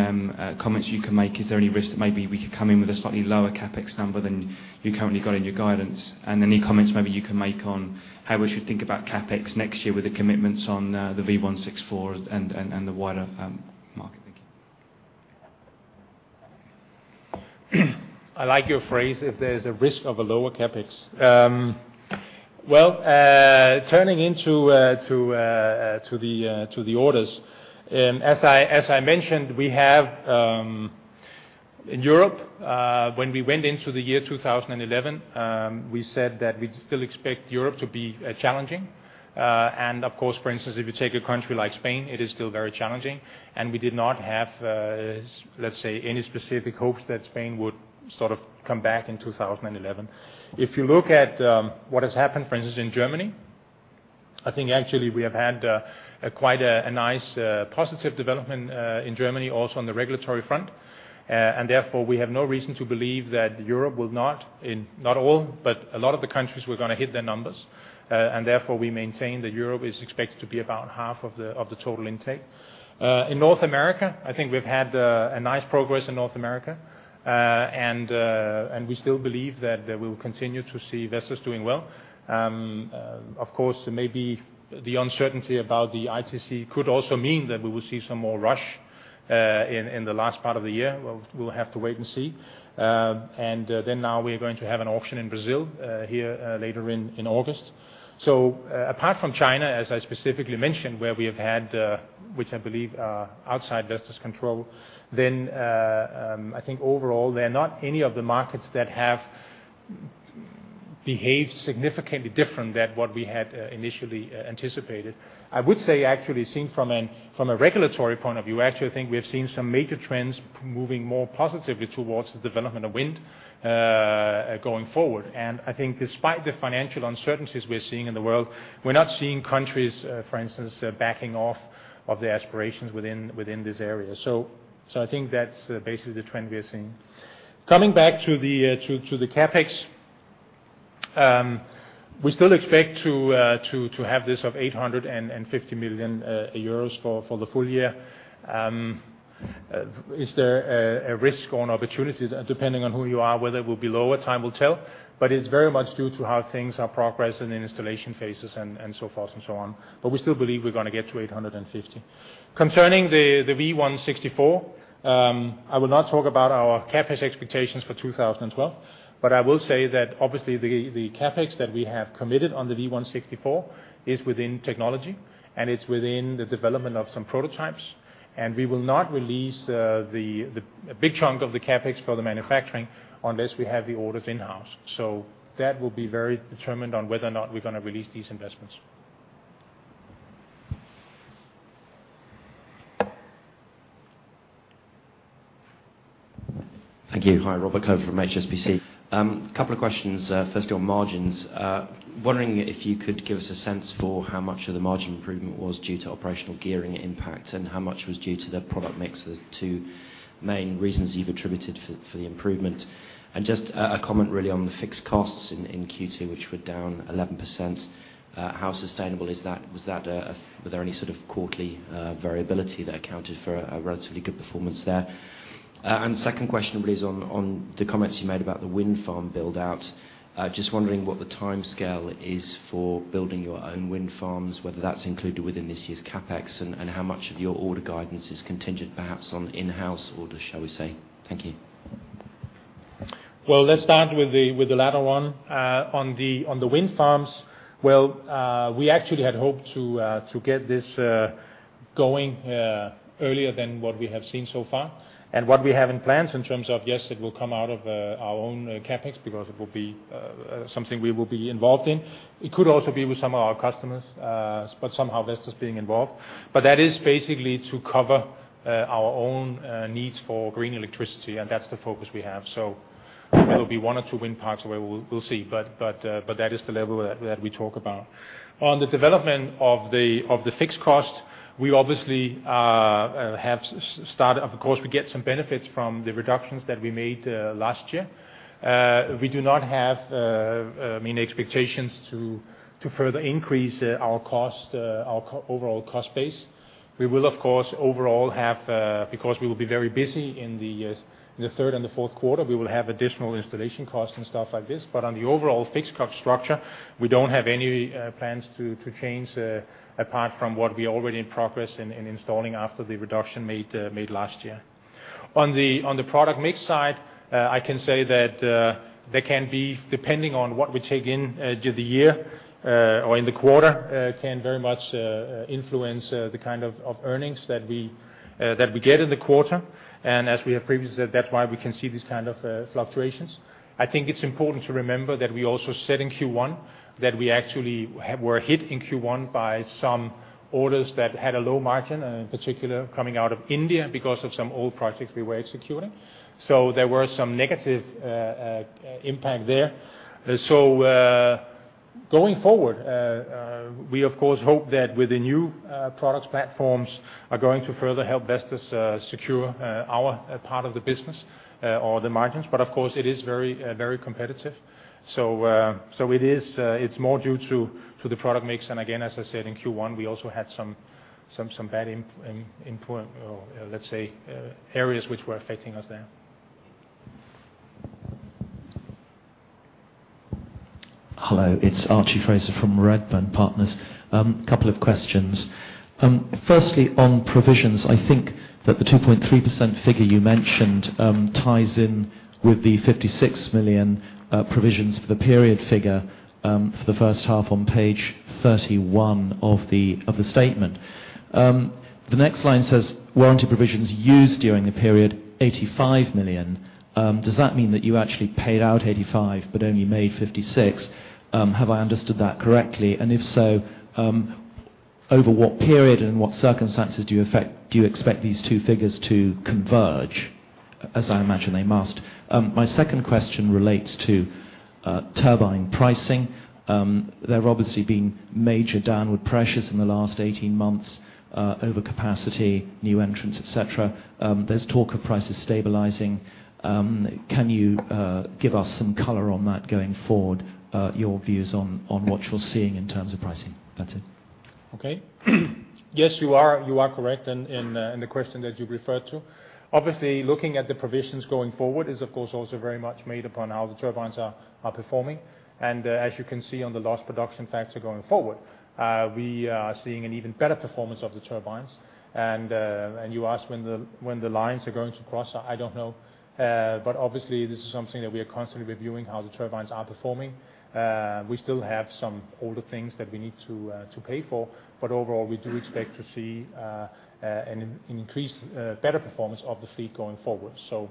comments you can make? Is there any risk that maybe we could come in with a slightly lower CapEx number than you currently got in your guidance? Any comments maybe you can make on how we should think about CapEx next year with the commitments on the V164 and the wider market. Thank you. I like your phrase, if there's a risk of a lower CapEx, well, turning into the orders, as I mentioned, we have, in Europe, when we went into the year 2011, we said that we still expect Europe to be challenging, and of course, for instance, if you take a country like Spain, it is still very challenging, and we did not have, let's say, any specific hopes that Spain would sort of come back in 2011. If you look at what has happened, for instance, in Germany, I think actually we have had quite a nice positive development in Germany also on the regulatory front, and therefore we have no reason to believe that Europe will not—in not all, but a lot of the countries—were going to hit their numbers, and therefore we maintain that Europe is expected to be about half of the total intake. In North America, I think we've had a nice progress in North America, and we still believe that we'll continue to see Vestas doing well. Of course, maybe the uncertainty about the ITC could also mean that we will see some more rush in the last part of the year. We'll have to wait and see. Then, now we are going to have an auction in Brazil here later in August. So, apart from China, as I specifically mentioned, where we have had, which I believe are outside Vestas control, then I think overall there are not any of the markets that have behaved significantly different than what we had initially anticipated. I would say, actually, seen from a regulatory point of view, actually I think we have seen some major trends moving more positively towards the development of wind, going forward, and I think despite the financial uncertainties we're seeing in the world, we're not seeing countries, for instance, backing off of their aspirations within this area. So I think that's basically the trend we are seeing. Coming back to the CapEx, we still expect to have this of 850 million euros for the full year. Is there a risk or an opportunity depending on who you are? Whether it will be lower, time will tell, but it's very much due to how things are progressing in installation phases and so forth and so on, but we still believe we're going to get to 850. Concerning the V164, I will not talk about our CapEx expectations for 2012, but I will say that obviously the CapEx that we have committed on the V164 is within technology and it's within the development of some prototypes, and we will not release a big chunk of the CapEx for the manufacturing unless we have the orders in-house, so that will be very determined on whether or not we're going to release these investments. Thank you. Hi, Robert Clover from HSBC. Couple of questions, firstly on margins. Wondering if you could give us a sense for how much of the margin improvement was due to operational gearing impact and how much was due to the product mix, the two main reasons you've attributed for the improvement. And just a comment really on the fixed costs in Q2, which were down 11%. How sustainable is that? Was that, or were there any sort of quarterly variability that accounted for a relatively good performance there? And second question really is on the comments you made about the wind farm build-out. Just wondering what the timescale is for building your own wind farms, whether that's included within this year's CapEx, and how much of your order guidance is contingent perhaps on in-house orders, shall we say? Thank you. Well, let's start with the latter one. On the wind farms, well, we actually had hoped to get this going earlier than what we have seen so far, and what we have in plans in terms of, yes, it will come out of our own CapEx because it will be something we will be involved in. It could also be with some of our customers, but somehow Vestas being involved, but that is basically to cover our own needs for green electricity, and that's the focus we have, so there will be one or two wind parks away. We'll see, but that is the level that we talk about. On the development of the fixed cost, we obviously have started, of course, we get some benefits from the reductions that we made last year. We do not have, I mean, expectations to further increase our cost, our overall cost base. We will, of course, overall have, because we will be very busy in the third and the fourth quarter, we will have additional installation costs and stuff like this, but on the overall fixed cost structure, we don't have any plans to change, apart from what we are already in progress in installing after the reduction made last year. On the product mix side, I can say that there can be, depending on what we take in during the year or in the quarter, can very much influence the kind of earnings that we get in the quarter, and as we have previously said, that's why we can see these kind of fluctuations. I think it's important to remember that we also said in Q1 that we actually were hit in Q1 by some orders that had a low margin, in particular coming out of India because of some old projects we were executing, so there were some negative impact there. So, going forward, we of course hope that with the new product platforms are going to further help Vestas secure our part of the business, or the margins, but of course it is very, very competitive, so it is, it's more due to the product mix, and again, as I said, in Q1 we also had some bad impact or, let's say, areas which were affecting us there. Hello, it's Archie Fraser from Redburn Partners. Couple of questions. Firstly, on provisions, I think that the 2.3% figure you mentioned ties in with the 56 million provisions for the period figure for the first half on page 31 of the statement. The next line says, "Warranty provisions used during the period 85 million." Does that mean that you actually paid out 85 but only made 56? Have I understood that correctly? And if so, over what period and in what circumstances do you expect these two figures to converge, as I imagine they must? My second question relates to turbine pricing. There have obviously been major downward pressures in the last 18 months, over capacity, new entrants, etc. There's talk of prices stabilizing. Can you give us some color on that going forward, your views on what you're seeing in terms of pricing? That's it. Okay. Yes, you are correct in the question that you've referred to. Obviously, looking at the provisions going forward is of course also very much made upon how the turbines are performing, and as you can see on the lost production factor going forward, we are seeing an even better performance of the turbines, and you asked when the lines are going to cross. I don't know, but obviously this is something that we are constantly reviewing how the turbines are performing. We still have some older things that we need to pay for, but overall we do expect to see an increased, better performance of the fleet going forward, so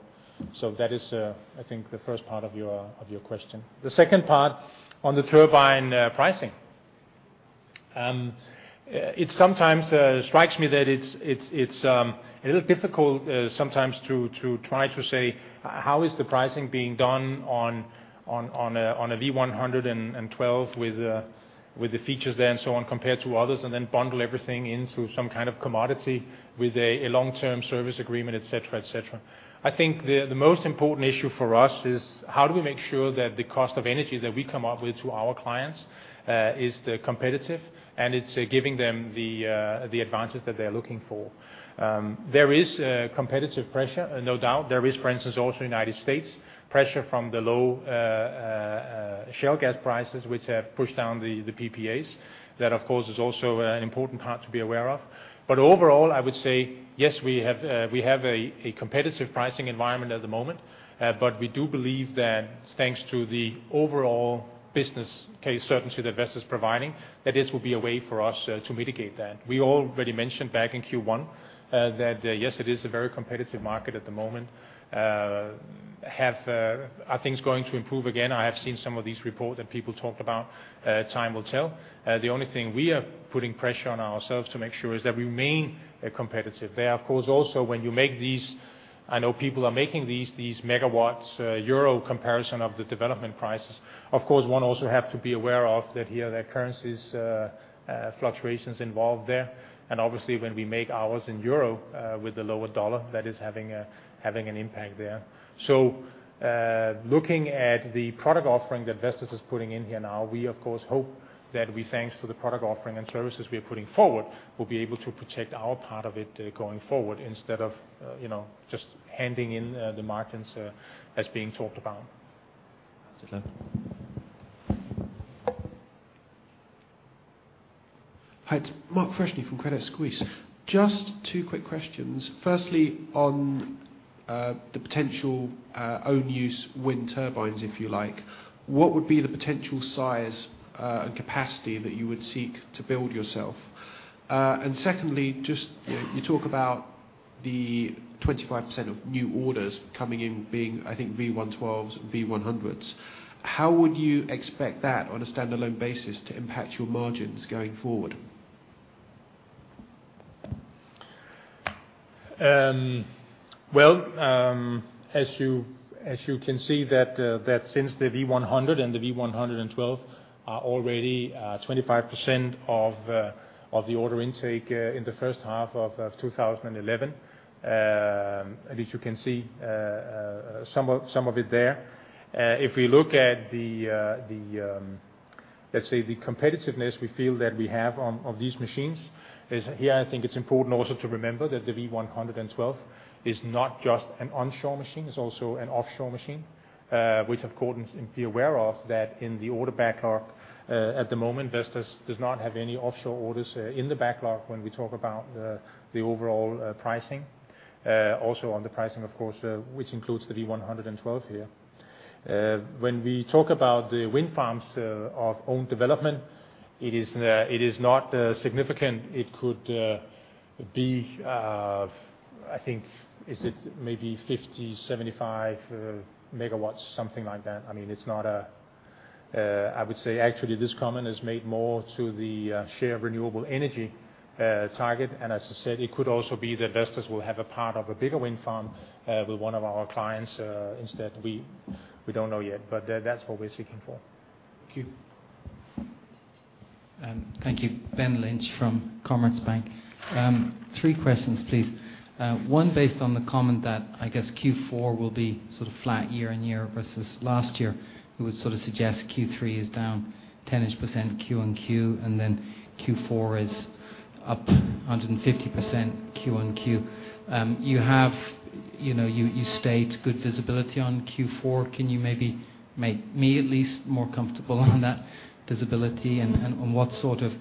that is, I think, the first part of your question. The second part on the turbine pricing. It sometimes strikes me that it's a little difficult sometimes to try to say, "How is the pricing being done on a V112 with the features there and so on compared to others," and then bundle everything into some kind of commodity with a long-term service agreement, etc., etc. I think the most important issue for us is how do we make sure that the cost of energy that we come up with to our clients is competitive and it's giving them the advantage that they are looking for. There is competitive pressure, no doubt. There is, for instance, also in the United States pressure from the low shale gas prices which have pushed down the PPAs that of course is also an important part to be aware of, but overall I would say, yes, we have a competitive pricing environment at the moment, but we do believe that thanks to the overall business case certainty that Vestas is providing, that this will be a way for us to mitigate that. We already mentioned back in Q1 that yes, it is a very competitive market at the moment. Have, are things going to improve again? I have seen some of these reports that people talked about. Time will tell. The only thing we are putting pressure on ourselves to make sure is that we remain competitive. There are of course also when you make these. I know people are making these MW euro comparison of the development prices. Of course, one also has to be aware of that here there are currencies fluctuations involved there, and obviously when we make ours in euro, with the lower dollar, that is having an impact there. So, looking at the product offering that Vestas is putting in here now, we of course hope that we, thanks to the product offering and services we are putting forward, will be able to protect our part of it, going forward instead of, you know, just handing in the margins, as being talked about. Hi, it's Mark Freshney from Credit Suisse. Just two quick questions. Firstly, on the potential own-use wind turbines, if you like, what would be the potential size and capacity that you would seek to build yourself? And secondly, just, you know, you talk about the 25% of new orders coming in being, I think, V112s, V100s. How would you expect that on a standalone basis to impact your margins going forward? Well, as you can see that since the V100 and the V112 are already 25% of the order intake in the first half of 2011, at least you can see some of it there. If we look at the, let's say, the competitiveness we feel that we have on these machines, is here. I think it's important also to remember that the V112 is not just an onshore machine, it's also an offshore machine, which of course you'd be aware of that in the order backlog at the moment, Vestas does not have any offshore orders in the backlog when we talk about the overall pricing. Also on the pricing, of course, which includes the V112 here. When we talk about the wind farms of own development, it is, it is not significant. It could be, I think is it maybe 50-75 MW, something like that. I mean, it's not a, I would say actually this comment is made more to the share of renewable energy target, and as I said, it could also be that Vestas will have a part of a bigger wind farm with one of our clients, instead. We, we don't know yet, but that, that's what we're seeking for. Thank you. Thank you. Ben Lynch from Commerzbank. Three questions, please. One, based on the comment that I guess Q4 will be sort of flat year-on-year versus last year, who would sort of suggest Q3 is down 10-ish% Q-on-Q and then Q4 is up 150% Q-on-Q. You have, you know, you state good visibility on Q4. Can you maybe make me at least more comfortable on that visibility and on what sort of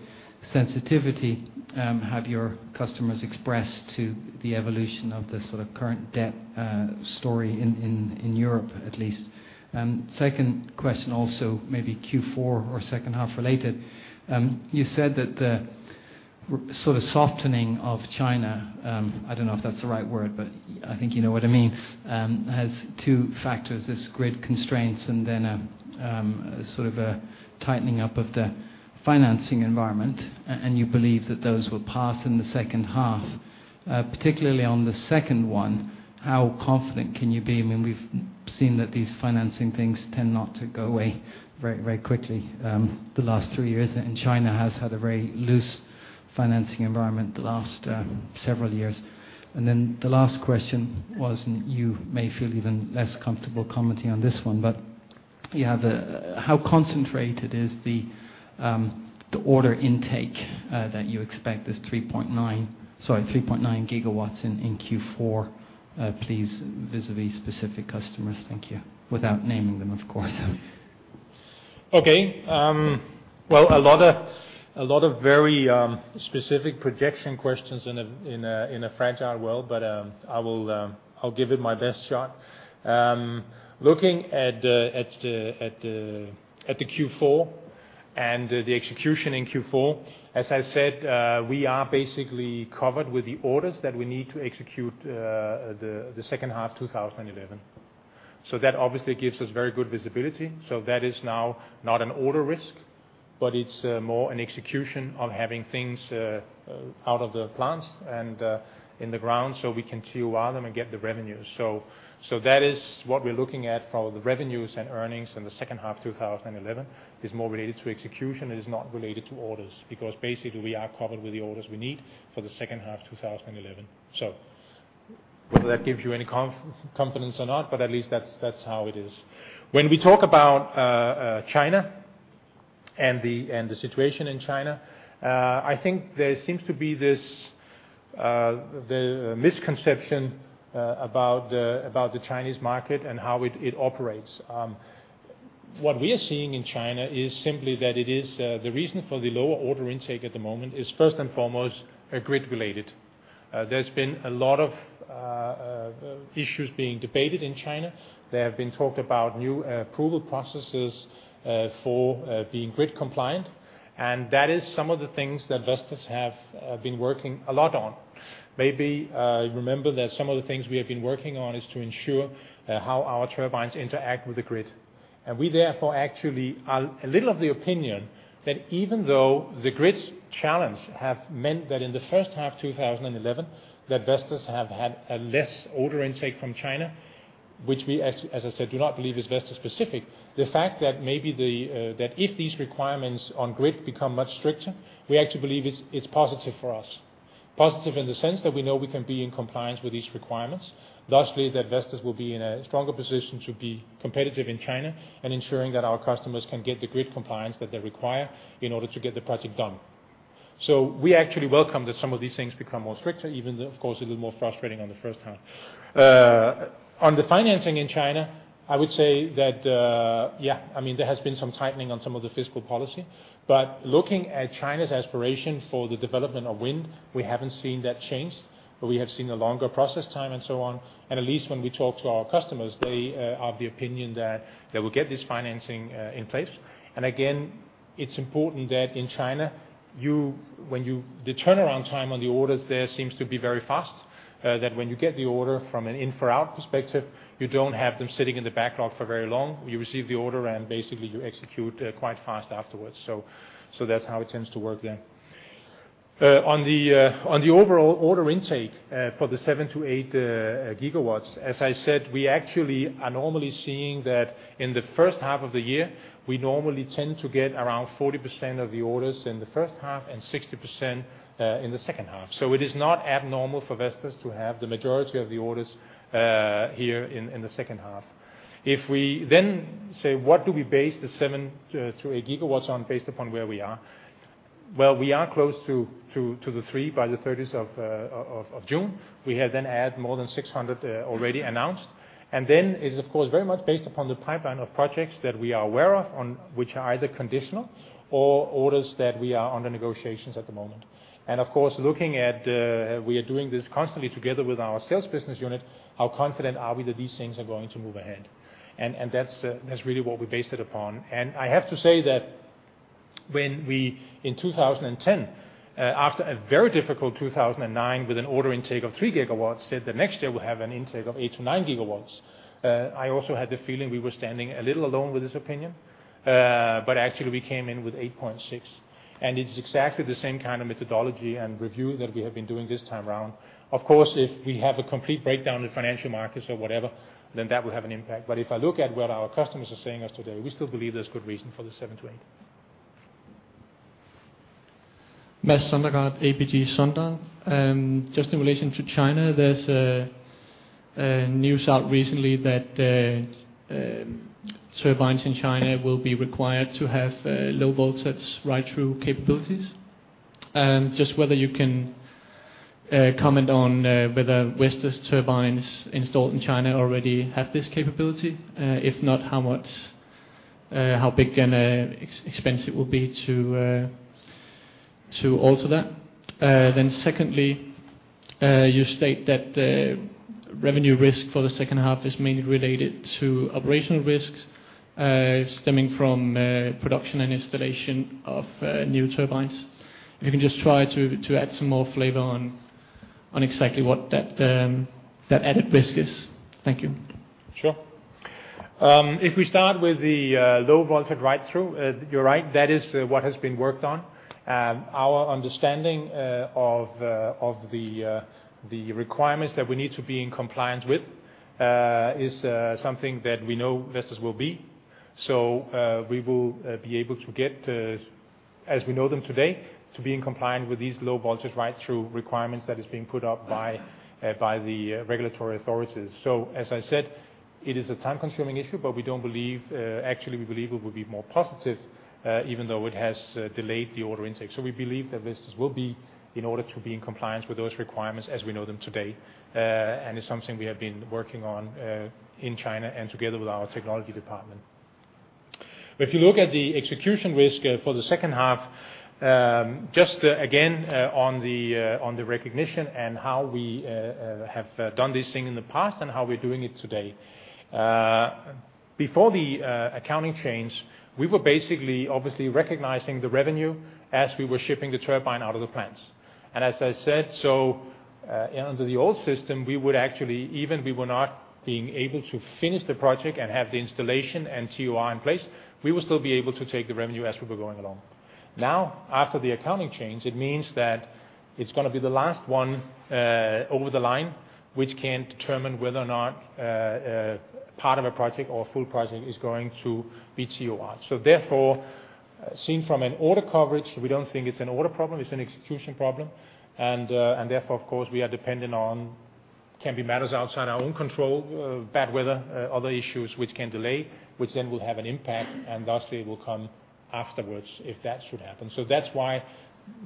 sensitivity have your customers expressed to the evolution of the sort of current debt story in Europe at least? Second question also, maybe Q4 or second half related. You said that the sort of softening of China—I don't know if that's the right word, but I think you know what I mean—has two factors, this grid constraints and then a sort of a tightening up of the financing environment, and you believe that those will pass in the second half. Particularly on the second one, how confident can you be? I mean, we've seen that these financing things tend not to go away very, very quickly, the last 3 years, and China has had a very loose financing environment the last several years. And then the last question was, and you may feel even less comfortable commenting on this one, but you have a, how concentrated is the order intake that you expect, this 3.9—sorry, 3.9 GW—in Q4, please, vis-à-vis specific customers? Thank you. Without naming them, of course. Okay. Well, a lot of very specific projection questions in a fragile world, but I will, I'll give it my best shot. Looking at the Q4 and the execution in Q4, as I said, we are basically covered with the orders that we need to execute, the second half 2011, so that obviously gives us very good visibility. So that is now not an order risk, but it's more an execution of having things out of the plants and in the ground so we can TOR them and get the revenues. So that is what we're looking at for the revenues and earnings in the second half 2011. It's more related to execution. It is not related to orders because basically we are covered with the orders we need for the second half 2011, so whether that gives you any confidence or not, but at least that's how it is. When we talk about China and the situation in China, I think there seems to be this misconception about the Chinese market and how it operates. What we are seeing in China is simply that the reason for the lower order intake at the moment is first and foremost grid-related. There's been a lot of issues being debated in China. There have been talks about new approval processes for being grid-compliant, and that is some of the things that Vestas have been working a lot on. Maybe, remember that some of the things we have been working on is to ensure how our turbines interact with the grid, and we therefore actually are a little of the opinion that even though the grid's challenge have meant that in the first half 2011 that Vestas have had a less order intake from China, which we as, as I said, do not believe is Vestas-specific, the fact that maybe the, that if these requirements on grid become much stricter, we actually believe it's, it's positive for us. Positive in the sense that we know we can be in compliance with these requirements, thusly that Vestas will be in a stronger position to be competitive in China and ensuring that our customers can get the grid compliance that they require in order to get the project done. So we actually welcome that some of these things become more stricter, even though, of course, a little more frustrating on the first half. On the financing in China, I would say that, yeah, I mean, there has been some tightening on some of the fiscal policy, but looking at China's aspiration for the development of wind, we haven't seen that change, but we have seen a longer process time and so on, and at least when we talk to our customers, they are of the opinion that they will get this financing in place. And again, it's important that in China, you when you the turnaround time on the orders there seems to be very fast, that when you get the order from an in-for-out perspective, you don't have them sitting in the backlog for very long. You receive the order and basically you execute quite fast afterwards, so that's how it tends to work there. On the overall order intake for the 7-8 GW, as I said, we actually are normally seeing that in the first half of the year. We normally tend to get around 40% of the orders in the first half and 60% in the second half, so it is not abnormal for Vestas to have the majority of the orders here in the second half. If we then say, "What do we base the 7-8 GW on based upon where we are?" Well, we are close to the 3 by the 30th of June. We have then added more than 600, already announced, and then it's of course very much based upon the pipeline of projects that we are aware of, on which are either conditional or orders that we are under negotiations at the moment. And of course, looking at, we are doing this constantly together with our sales business unit, how confident are we that these things are going to move ahead, and, and that's, that's really what we base it upon. I have to say that when we in 2010, after a very difficult 2009 with an order intake of 3 GW, said that next year we'll have an intake of 8-9 GW, I also had the feeling we were standing a little alone with this opinion, but actually we came in with 8.6 GW, and it's exactly the same kind of methodology and review that we have been doing this time around. Of course, if we have a complete breakdown in financial markets or whatever, then that will have an impact, but if I look at what our customers are saying us today, we still believe there's good reason for the 7-8 GW. Mads Peter Søndergaard, ABG Sundal. Just in relation to China, there's news out recently that turbines in China will be required to have low-voltage ride-through capabilities. Just whether you can comment on whether Vestas turbines installed in China already have this capability, if not, how much, how big and expensive it will be to alter that. Then secondly, you state that revenue risk for the second half is mainly related to operational risks stemming from production and installation of new turbines. If you can just try to add some more flavor on exactly what that added risk is. Thank you. Sure. If we start with the low-voltage ride-through, you're right, that is what has been worked on. Our understanding of the requirements that we need to be in compliance with is something that we know Vestas will be, so we will be able to get, as we know them today, to be in compliance with these low-voltage ride-through requirements that is being put up by the regulatory authorities. So as I said, it is a time-consuming issue, but we don't believe actually we believe it will be more positive, even though it has delayed the order intake. So we believe that Vestas will be in order to be in compliance with those requirements as we know them today, and it's something we have been working on, in China and together with our technology department. But if you look at the execution risk, for the second half, just again on the recognition and how we have done this thing in the past and how we're doing it today. Before the accounting change, we were basically obviously recognizing the revenue as we were shipping the turbine out of the plants. As I said, under the old system, we would actually even if we were not being able to finish the project and have the installation and TOR in place, we would still be able to take the revenue as we were going along. Now, after the accounting change, it means that it's going to be the last one, over the line which can determine whether or not, part of a project or full project is going to be TOR. Therefore, seen from an order coverage, we don't think it's an order problem. It's an execution problem, and therefore, of course, we are dependent on can be matters outside our own control, bad weather, other issues which can delay, which then will have an impact and thusly will come afterwards if that should happen. So that's why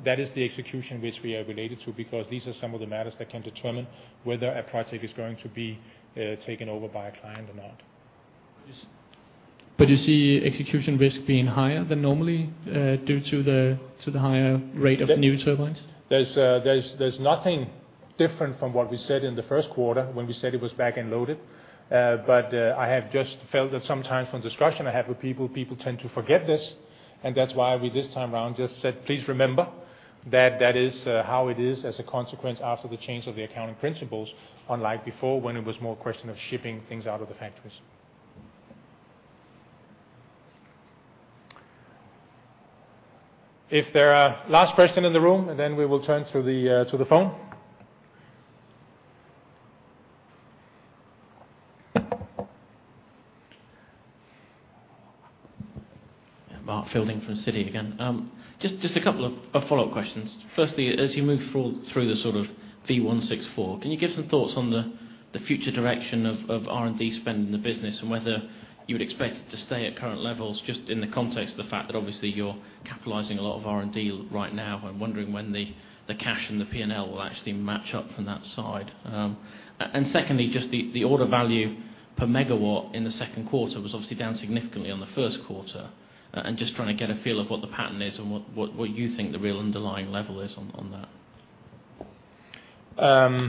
that is the execution which we are related to because these are some of the matters that can determine whether a project is going to be taken over by a client or not. But you see execution risk being higher than normally, due to the higher rate of new turbines? There's nothing different from what we said in the first quarter when we said it was back-end loaded, but I have just felt that sometimes from discussion I have with people, people tend to forget this, and that's why we this time around just said, "Please remember that that is how it is as a consequence after the change of the accounting principles, unlike before when it was more a question of shipping things out of the factories." If there are last question in the room, then we will turn to the phone. Mark Fielding from Citi again. Just a couple of follow-up questions. Firstly, as you move through the sort of V164, can you give some thoughts on the future direction of R&D spend in the business and whether you would expect it to stay at current levels just in the context of the fact that obviously you're capitalizing a lot of R&D right now? I'm wondering when the cash and the P&L will actually match up from that side. And secondly, just the order value per megawatt in the second quarter was obviously down significantly on the first quarter, and just trying to get a feel of what the pattern is and what you think the real underlying level is on that.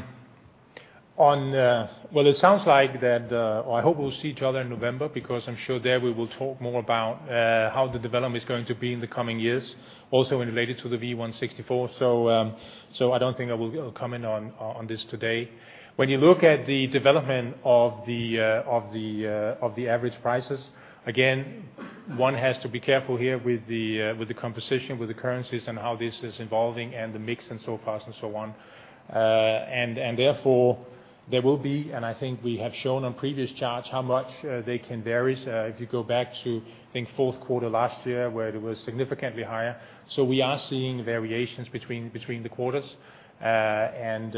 Oh, well, it sounds like that, or I hope we'll see each other in November because I'm sure there we will talk more about how the development is going to be in the coming years, also in relation to the V164, so I don't think I will comment on this today. When you look at the development of the average prices, again, one has to be careful here with the composition, with the currencies, and how this is evolving and the mix and so forth and so on, and therefore there will be, and I think we have shown on previous charts how much they can vary, if you go back to, I think, fourth quarter last year where it was significantly higher. So we are seeing variations between, between the quarters, and,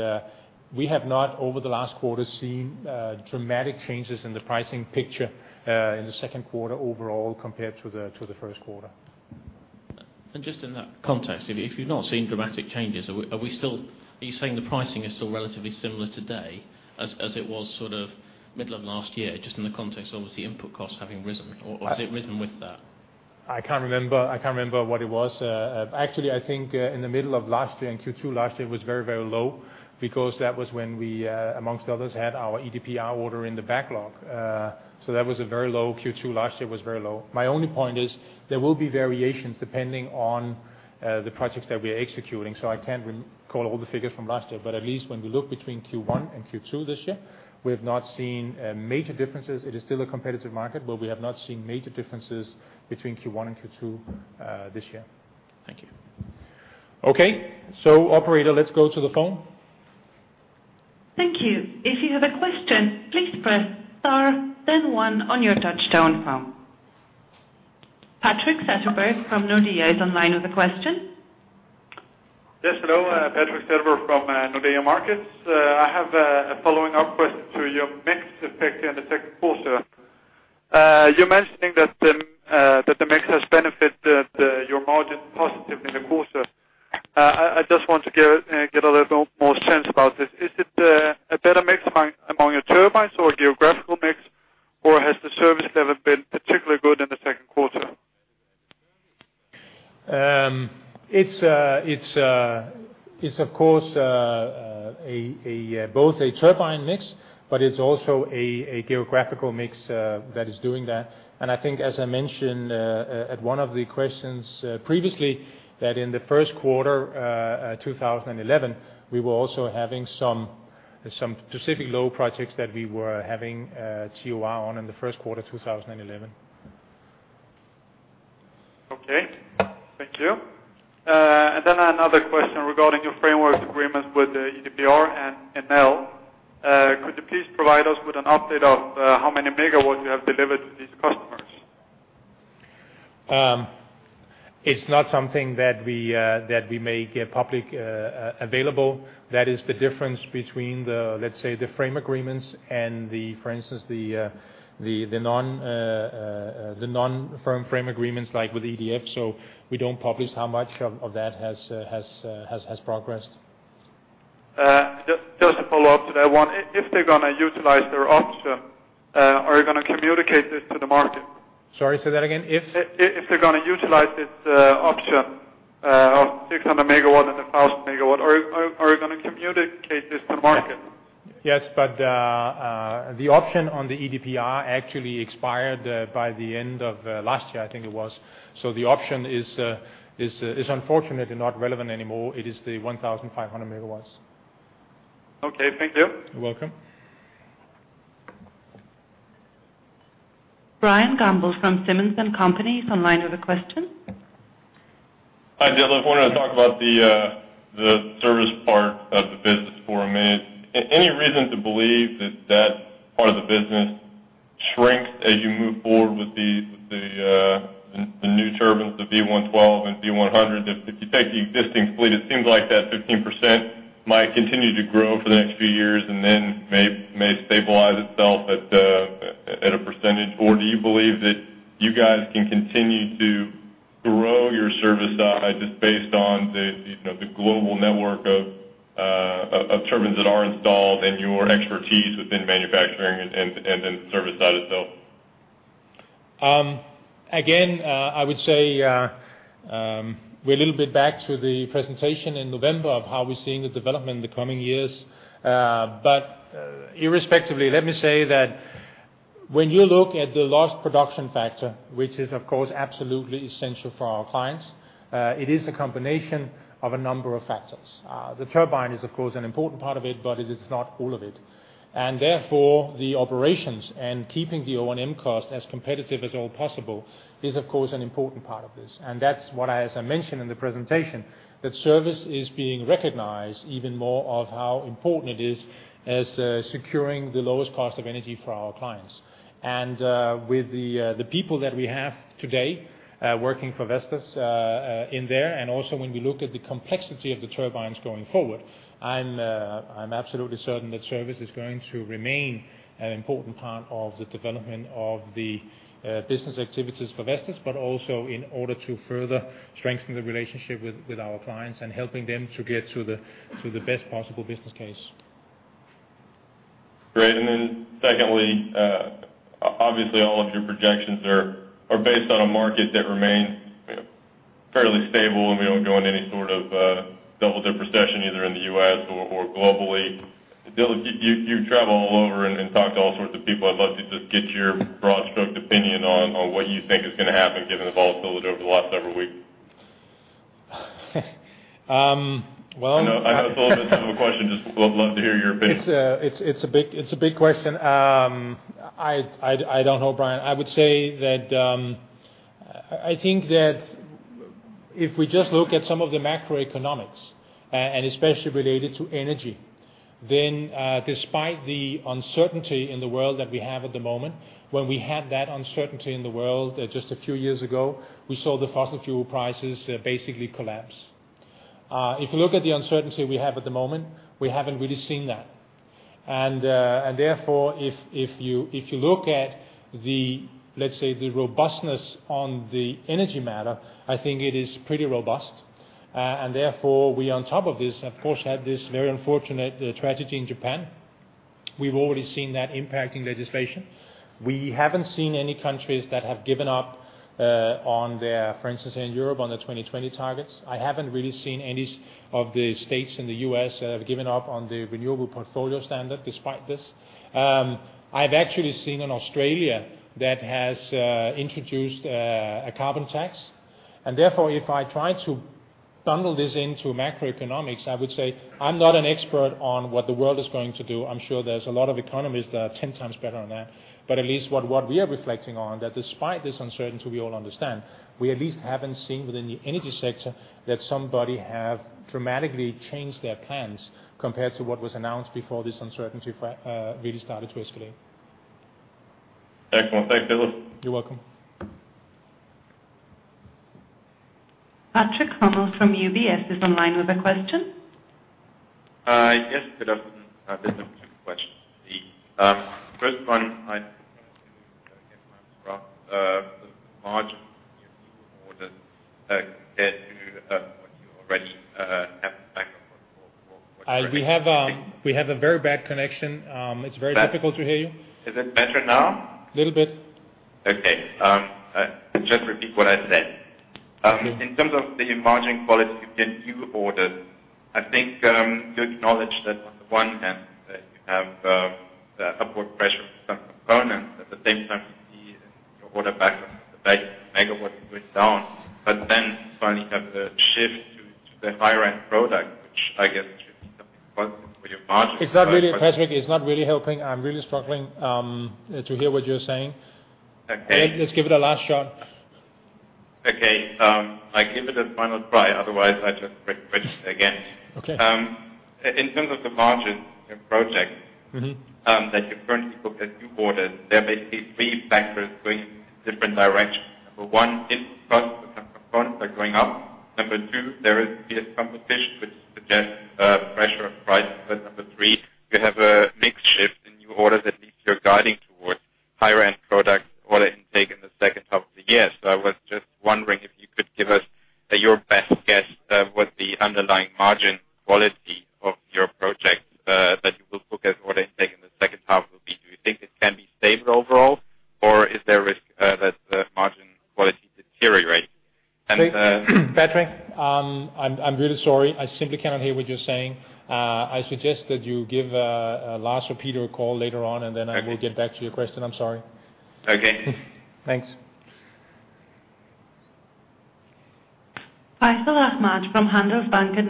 we have not over the last quarter seen, dramatic changes in the pricing picture, in the second quarter overall compared to the to the first quarter. And just in that context, if, if you've not seen dramatic changes, are we are we still are you saying the pricing is still relatively similar today as, as it was sort of middle of last year just in the context of, obviously, input costs having risen? Or, or has it risen with that? I can't remember. I can't remember what it was. Actually, I think, in the middle of last year in Q2 last year, it was very, very low because that was when we, amongst others, had our EDPR order in the backlog, so that was a very low Q2 last year was very low. My only point is there will be variations depending on the projects that we are executing, so I can't recall all the figures from last year, but at least when we look between Q1 and Q2 this year, we have not seen major differences. It is still a competitive market, but we have not seen major differences between Q1 and Q2 this year. Thank you. Okay. So operator, let's go to the phone. Thank you. If you have a question, please press star, then one on your touch-tone phone. Patrik Setterberg from Nordea is on the line with a question. Yes. Hello. Patrik Setterberg from Nordea Markets. I have a following-up question to your mix effect in the second quarter. You're mentioning that the mix that the mix has benefited your margin positively in the quarter. I just want to get a little bit more sense about this. Is it a better mix among your turbines or a geographical mix, or has the service level been particularly good in the second quarter? It's of course both a turbine mix, but it's also a geographical mix that is doing that. And I think, as I mentioned, at one of the questions previously, that in the first quarter 2011, we were also having some specific low projects that we were having TOR on in the first quarter 2011. Okay. Thank you. And then another question regarding your framework agreements with EDPR and ML. Could you please provide us with an update of how many MW you have delivered to these customers? It's not something that we make public available. That is the difference between the, let's say, frame agreements and, for instance, the non-frame agreements like with EDF, so we don't publish how much of that has progressed. Just a follow-up to that one. If they're going to utilize their option, are you going to communicate this to the market? Sorry. Say that again. If they're going to utilize this option of 600 MW and 1,000 MW, are you going to communicate this to the market? Yes, but the option on the EDPR actually expired by the end of last year, I think it was. So the option is unfortunately not relevant anymore. It is the 1,500 MW. Okay. Thank you. You're welcome. Brian Gamble from Simmons & Company is on the line with a question. Hi, Ditlev. I wanted to talk about the service part of the business for a minute. Any reason to believe that that part of the business shrinks as you move forward with the new turbines, the V112 and V100? If you take the existing fleet, it seems like that 15% might continue to grow for the next few years and then may stabilize itself at a percentage. Or do you believe that you guys can continue to grow your service side just based on the you know the global network of turbines that are installed and your expertise within manufacturing and then service side itself? Again, I would say, we're a little bit back to the presentation in November of how we're seeing the development in the coming years, but, irrespectively, let me say that when you look at the lost production factor, which is, of course, absolutely essential for our clients, it is a combination of a number of factors. The turbine is, of course, an important part of it, but it is not all of it. Therefore, the operations and keeping the O&M cost as competitive as all possible is, of course, an important part of this. And that's what I, as I mentioned in the presentation, that service is being recognized even more of how important it is as, securing the lowest cost of energy for our clients. With the people that we have today, working for Vestas, in there, and also when we look at the complexity of the turbines going forward, I'm absolutely certain that service is going to remain an important part of the development of the business activities for Vestas, but also in order to further strengthen the relationship with our clients and helping them to get to the best possible business case. Great. And then secondly, obviously, all of your projections are based on a market that remains, you know, fairly stable, and we don't go into any sort of double dip recession either in the U.S. or globally. Ditlev, you travel all over and talk to all sorts of people. I'd love to just get your broad strokes opinion on what you think is going to happen given the volatility over the last several weeks. Well. I know it's a little bit simple question. Just love to hear your opinion. It's a big question. I don't know, Brian. I would say that I think that if we just look at some of the macroeconomics, and especially related to energy, then, despite the uncertainty in the world that we have at the moment, when we had that uncertainty in the world just a few years ago, we saw the fossil fuel prices basically collapse. If you look at the uncertainty we have at the moment, we haven't really seen that. Therefore, if you look at the, let's say, robustness on the energy matter, I think it is pretty robust. And therefore, on top of this, of course, we had this very unfortunate tragedy in Japan. We've already seen that impacting legislation. We haven't seen any countries that have given up, on their for instance, in Europe, on the 2020 targets. I haven't really seen any of the states in the US that have given up on the renewable portfolio standard despite this. I've actually seen in Australia that has introduced a carbon tax. And therefore, if I try to bundle this into macroeconomics, I would say I'm not an expert on what the world is going to do. I'm sure there's a lot of economists that are 10 times better on that, but at least what we are reflecting on, that despite this uncertainty, we all understand, we at least haven't seen within the energy sector that somebody have dramatically changed their plans compared to what was announced before this uncertainty fairly started to escalate. Excellent. Thanks, Ditlev. You're welcome. Patrick Hummel from UBS is on the line with a question. Yes. Good afternoon. There's a few questions. First one, I think I was getting my answer off the margin of new full orders, compared to what you already have in the backlog for what you guys are doing. We have a very bad connection. It's very difficult to hear you. Is it better now? A little bit. Okay. Just repeat what I said. In terms of the emerging quality of your new orders, I think you acknowledge that on the one hand, you have upward pressure from some components. At the same time, you see in your order backlog that the value per megawatt is going down, but then you finally have a shift to the higher-end product, which I guess should be something positive for your margin. It's not really Patrick, it's not really helping. I'm really struggling to hear what you're saying. Okay. Let's give it a last shot. Okay. I'll give it a final try. Otherwise, I just re-register again. Okay. In terms of the margin of your project. Mm-hmm. That you currently book as new orders, there are basically three factors going in different directions. Number one, input costs for some components are going up. Number two, there is fierce competition, which suggests pressure on prices. But number three, you have a mix shift in new orders at least you're guiding towards, higher-end product order intake in the second half of the year. So I was just wondering if you could give us your best guess, what the underlying margin quality of your projects that you will book as order intake in the second half will be. Do you think it can be stable overall, or is there risk that the margin quality deteriorates? And, thank you, Patrick. I'm, I'm really sorry. I simply cannot hear what you're saying. I suggest that you give a last repeater call later on, and then I will get back to your question. I'm sorry. Okay. Thanks. Hi. Faisal Ahmad from Handelsbanken is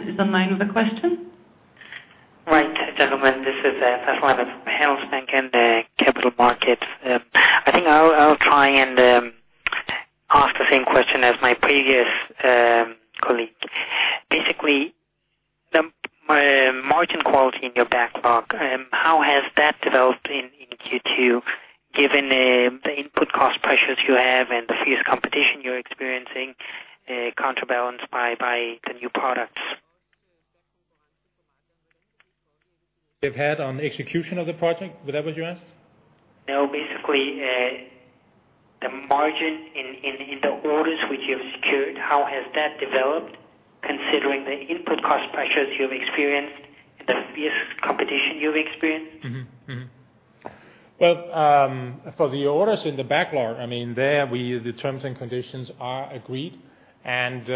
execution of the project? Was that what you asked? No. Basically, the margin in the orders which you have secured, how has that developed considering the input cost pressures you've experienced and the fierce competition you've experienced? Mm-hmm. Mm-hmm. Well, for the orders in the backlog, I mean, there the terms and conditions are agreed. And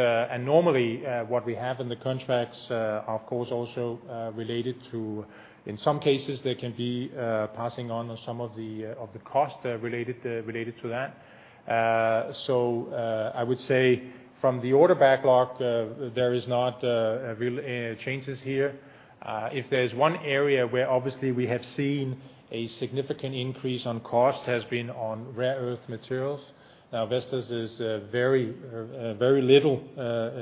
normally, what we have in the contracts, of course, also related to in some cases, there can be passing on of some of the cost related to that. So, I would say from the order backlog, there is not a real change here. If there's one area where obviously we have seen a significant increase on cost, it has been on rare earth materials. Now, Vestas has very, very little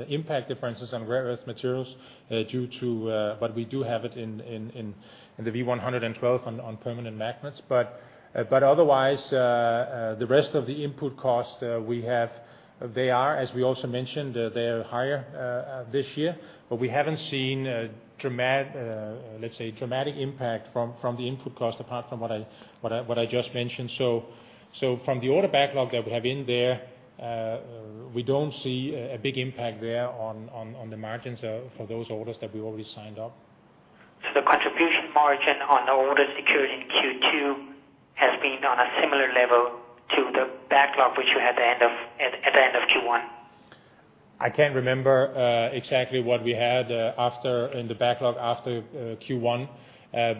impact, for instance, on rare earth materials, due to, but we do have it in the V112 on permanent magnets. But otherwise, the rest of the input cost we have, they are, as we also mentioned, they are higher this year, but we haven't seen, let's say, dramatic impact from the input cost apart from what I just mentioned. So, from the order backlog that we have in there, we don't see a big impact there on the margins for those orders that we already signed up. So the contribution margin on the orders secured in Q2 has been on a similar level to the backlog which you had at the end of Q1? I can't remember exactly what we had in the backlog after Q1.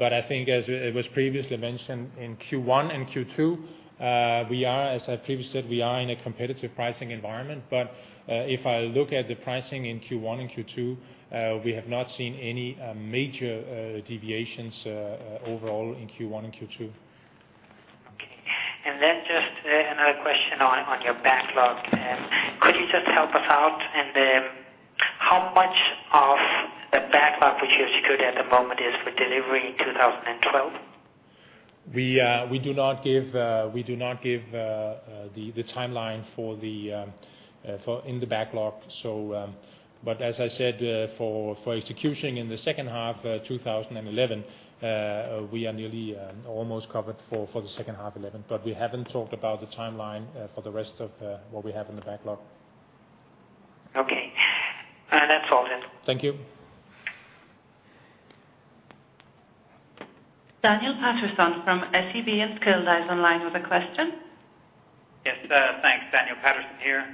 But I think as it was previously mentioned, in Q1 and Q2, we are, as I previously said, in a competitive pricing environment. But if I look at the pricing in Q1 and Q2, we have not seen any major deviations overall in Q1 and Q2. Okay. And then just another question on your backlog. Could you just help us out in how much of the backlog which you have secured at the moment is for delivery in 2012? We do not give the timeline for the backlog. So, but as I said, for execution in the second half of 2011, we are nearly almost covered for the second half of 2011, but we haven't talked about the timeline for the rest of what we have in the backlog. Okay. That's all, Ditlev. Thank you. Daniel Patterson from SEB Enskilda on line with a question. Yes. Thanks. Daniel Patterson here.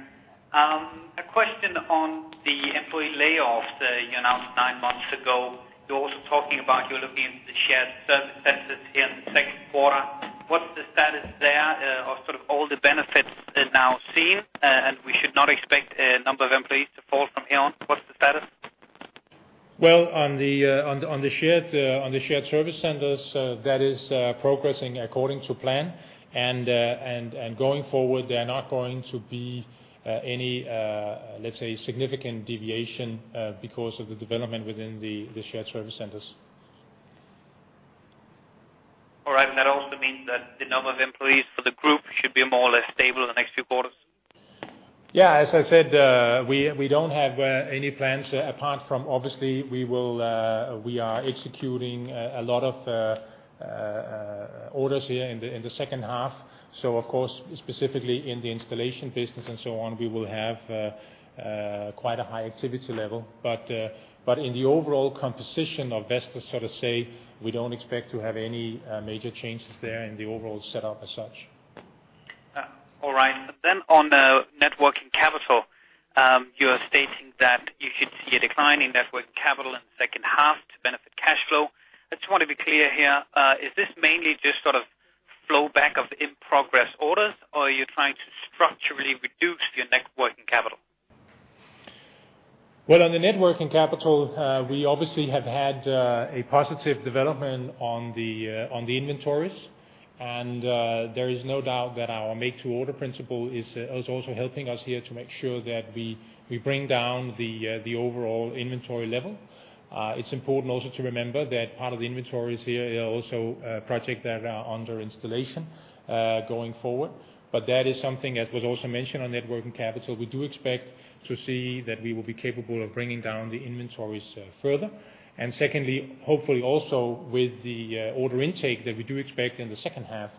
A question on the employee layoffs that you announced nine months ago. You're also talking about you're looking into the shared service centers here in the second quarter. What's the status there of sort of all the benefits now seen? And we should not expect a number of employees to fall from here on. What's the status? Well, on the shared service centers, that is progressing according to plan. Going forward, there are not going to be any, let's say, significant deviation because of the development within the shared service centers. All right. That also means that the number of employees for the group should be more or less stable in the next few quarters? Yeah. As I said, we don't have any plans, apart from obviously we will, we are executing a lot of orders here in the second half. So, of course, specifically in the installation business and so on, we will have quite a high activity level. But in the overall composition of Vestas, so to say, we don't expect to have any major changes there in the overall setup as such. All right. And then on Net Working Capital, you are stating that you should see a decline in Net Working Capital in the second half to benefit cash flow. I just want to be clear here. Is this mainly just sort of flowback of in-progress orders, or are you trying to structurally reduce your Net Working Capital? Well, on the Net Working Capital, we obviously have had a positive development on the inventories. There is no doubt that our make-to-order principle is also helping us here to make sure that we bring down the overall inventory level. It's important also to remember that part of the inventories here are also projects that are under installation going forward. But that is something, as was also mentioned on Net Working Capital, we do expect to see that we will be capable of bringing down the inventories further. Secondly, hopefully also with the order intake that we do expect in the second half,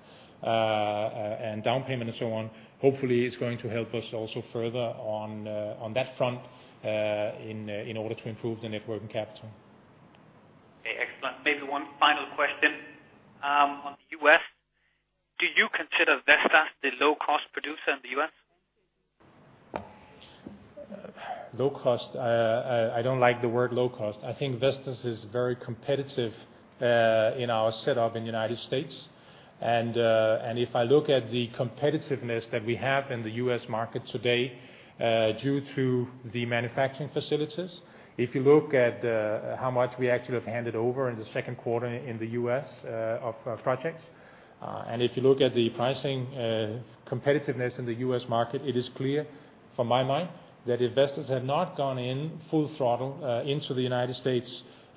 and down payment and so on, hopefully, it's going to help us also further on, on that front, in order to improve the net working capital. Okay. Excellent. Maybe one final question. On the U.S., do you consider Vestas the low-cost producer in the U.S.? Low-cost. I, I, I don't like the word low-cost. I think Vestas is very competitive, in our setup in the United States. If I look at the competitiveness that we have in the U.S. market today, due to the manufacturing facilities, if you look at how much we actually have handed over in the second quarter in the U.S., of projects, and if you look at the pricing, competitiveness in the U.S. market, it is clear from my mind that if Vestas had not gone in full throttle into the United States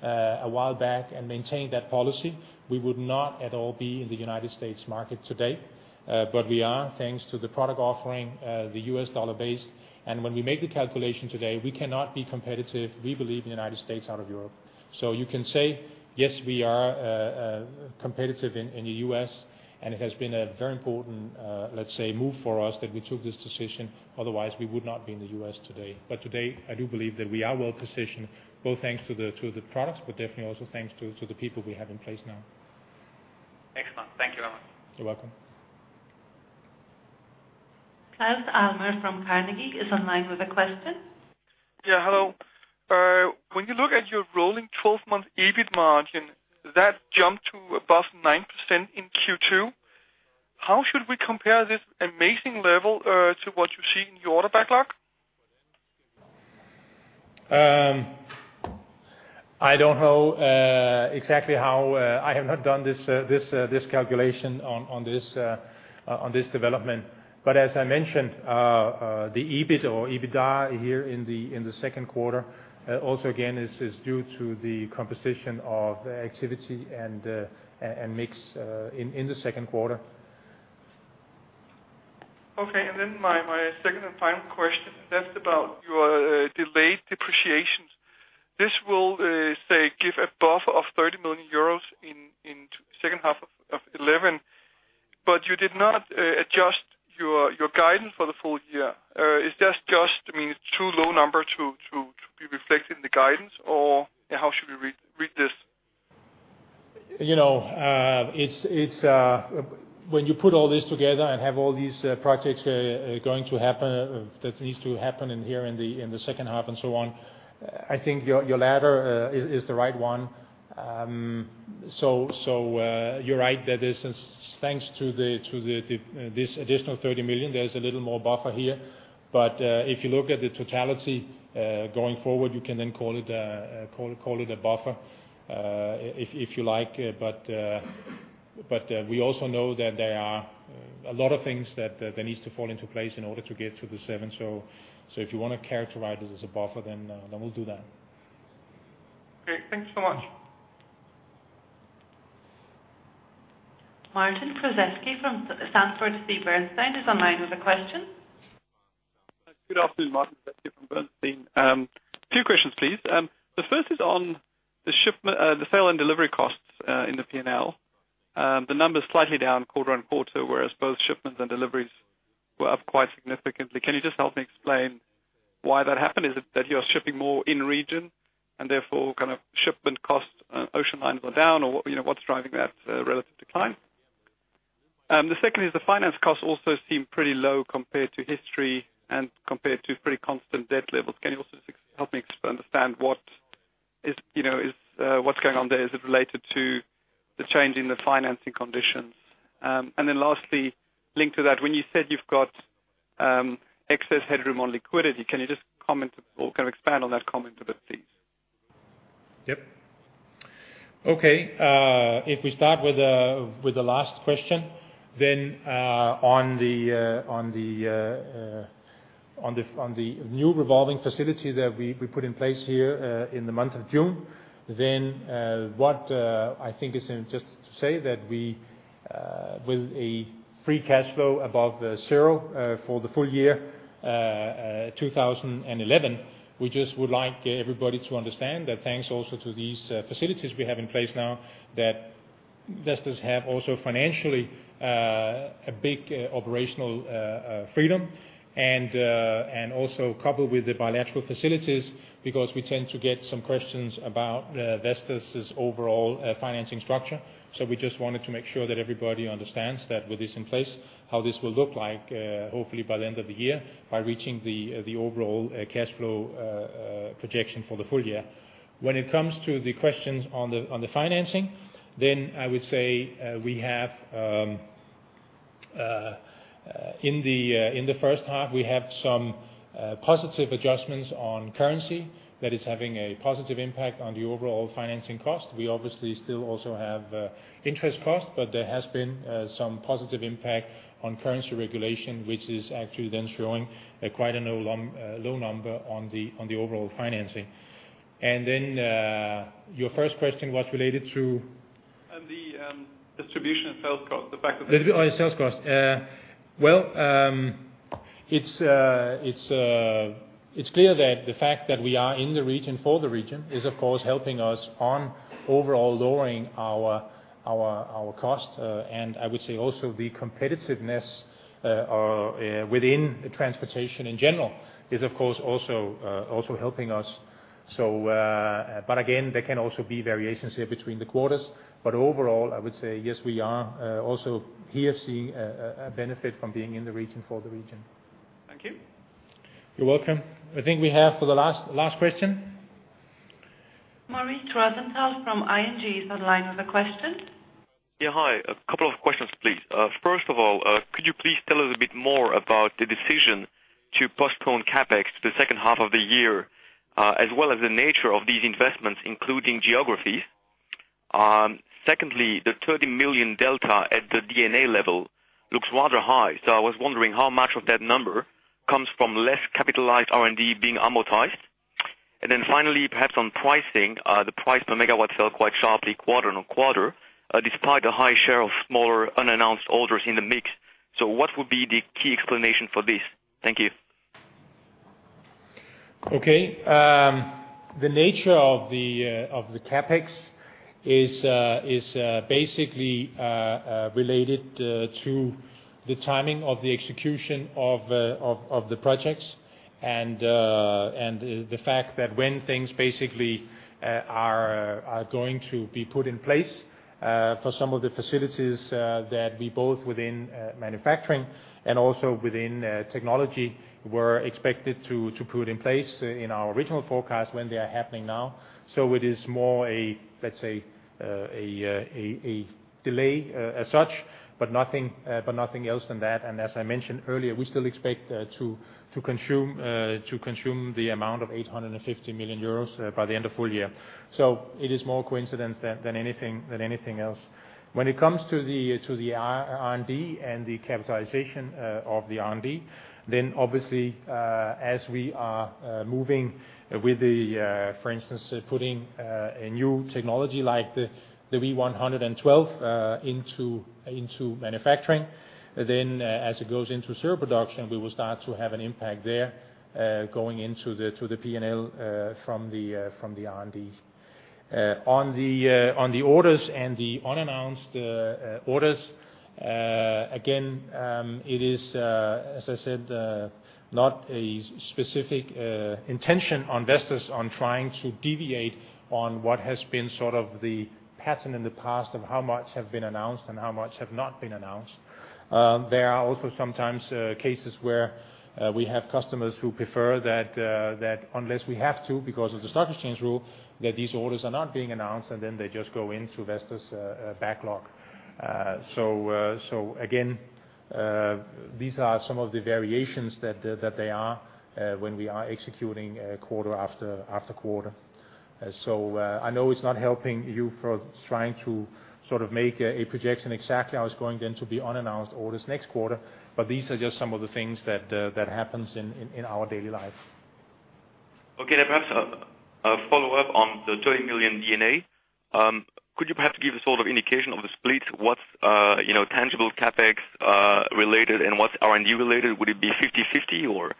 a while back and maintained that policy, we would not at all be in the United States market today. But we are thanks to the product offering, the U.S. dollar-based. And when we make the calculation today, we cannot be competitive, we believe, in the United States out of Europe. So you can say, "Yes, we are competitive in the US." And it has been a very important, let's say, move for us that we took this decision. Otherwise, we would not be in the US today. But today, I do believe that we are well-positioned, both thanks to the products, but definitely also thanks to the people we have in place now. Excellent. Thank you very much. You're welcome. Claus Almer from Carnegie is online with a question. Yeah. Hello. When you look at your rolling 12-month EBIT margin, that jumped to above 9% in Q2. How should we compare this amazing level to what you see in your order backlog? I don't know exactly how. I have not done this calculation on this development. But as I mentioned, the EBIT or EBITDA here in the second quarter, also again, is due to the composition of activity and mix in the second quarter. Okay. And then my second and final question, that's about your delayed depreciations. This will, say, give a buffer of 30 million euros in the second half of 2011, but you did not adjust your guidance for the full year. Is that just—I mean, it's too low a number to be reflected in the guidance, or how should we read this? You know, it's when you put all this together and have all these projects going to happen, that needs to happen in the second half and so on, I think your ladder is the right one. You're right that this is thanks to the additional 30 million; there's a little more buffer here. But if you look at the totality going forward, you can then call it a buffer, if you like. But we also know that there are a lot of things that needs to fall into place in order to get to the 7. So if you want to characterize it as a buffer, then we'll do that. Okay. Thanks so much. Martin Prozesky from Sanford C. Bernstein is online with a question. Good afternoon, Martin. Thank you from Bernstein. A few questions, please. The first is on the shipment, the sale and delivery costs, in the P&L. The number's slightly down quarter-on-quarter, whereas both shipments and deliveries were up quite significantly. Can you just help me explain why that happened? Is it that you are shipping more in-region and therefore kind of shipment costs, ocean lines are down, or what you know, what's driving that, relative decline? The second is the finance costs also seem pretty low compared to history and compared to pretty constant debt levels. Can you also just help me explain what is, you know, is, what's going on there? Is it related to the change in the financing conditions? And then lastly, link to that, when you said you've got excess headroom on liquidity, can you just comment or kind of expand on that comment a bit, please? Yep. Okay. If we start with the last question, then on the new revolving facility that we put in place here in the month of June, then I think it's just to say that we, with a free cash flow above zero for the full year 2011, we just would like everybody to understand that thanks also to these facilities we have in place now that Vestas have also financially a big operational freedom. And also coupled with the bilateral facilities because we tend to get some questions about Vestas's overall financing structure. So we just wanted to make sure that everybody understands that with this in place, how this will look like, hopefully by the end of the year by reaching the overall cash flow projection for the full year. When it comes to the questions on the financing, then I would say, we have, in the first half, we have some positive adjustments on currency that is having a positive impact on the overall financing cost. We obviously still also have interest cost, but there has been some positive impact on currency regulation, which is actually then showing quite a low number on the overall financing. And then, your first question was related to? And the distribution and sales cost, the fact that the. Let's be honest, sales cost. Well, it's clear that the fact that we are in the region for the region is, of course, helping us on overall lowering our cost. And I would say also the competitiveness, or, within transportation in general is, of course, also helping us. So, but again, there can also be variations here between the quarters. But overall, I would say, yes, we are, also here seeing, a benefit from being in the region for the region. Thank you. You're welcome. I think we have for the last last question. Maurice Rosenthal from ING is on the line with a question. Yeah. Hi. A couple of questions, please. First of all, could you please tell us a bit more about the decision to postpone CapEx to the second half of the year, as well as the nature of these investments, including geographies? Secondly, the 30 million delta at the D&A level looks rather high. So I was wondering how much of that number comes from less capitalized R&D being amortized. And then finally, perhaps on pricing, the price per megawatt fell quite sharply quarter-on-quarter, despite a high share of smaller unannounced orders in the mix. So what would be the key explanation for this? Thank you. Okay. The nature of the CapEx is basically related to the timing of the execution of the projects and the fact that when things basically are going to be put in place for some of the facilities that we both within manufacturing and also within technology were expected to put in place in our original forecast when they are happening now. So it is more a, let's say, a delay, as such, but nothing else than that. And as I mentioned earlier, we still expect to consume the amount of 850 million euros by the end of full year. So it is more coincidence than anything else. When it comes to the R&D and the capitalization of the R&D, then obviously, as we are moving with, for instance, putting a new technology like the V112 into manufacturing, then as it goes into serial production, we will start to have an impact there, going into the P&L from the R&D. On the orders and the unannounced orders, again, it is, as I said, not a specific intention on Vestas on trying to deviate on what has been sort of the pattern in the past of how much have been announced and how much have not been announced. There are also sometimes cases where we have customers who prefer that unless we have to because of the stock exchange rule, that these orders are not being announced, and then they just go into Vestas backlog. So again, these are some of the variations that there are when we are executing quarter after quarter. So I know it's not helping you for trying to sort of make a projection exactly how it's going then to be unannounced orders next quarter, but these are just some of the things that happens in our daily life. Okay. And perhaps a follow-up on the 30 million. Could you perhaps give a sort of indication of the split? What's, you know, tangible CapEx related and what's R&D related? Would it be 50/50, or?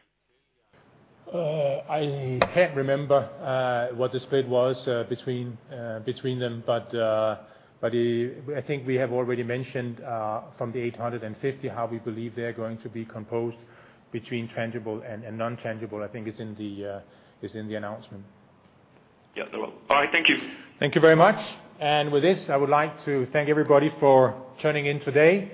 I can't remember what the split was between them, but I think we have already mentioned, from the 850, how we believe they are going to be composed between tangible and non-tangible. I think it's in the announcement. Yeah. No problem. All right. Thank you. Thank you very much. With this, I would like to thank everybody for tuning in today.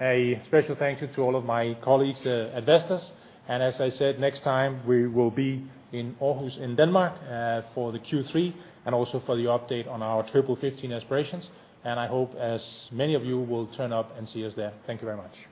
A special thank you to all of my colleagues at Vestas. As I said, next time we will be in Aarhus in Denmark for the Q3 and also for the update on our Triple 15 aspirations. I hope as many of you will turn up and see us there. Thank you very much.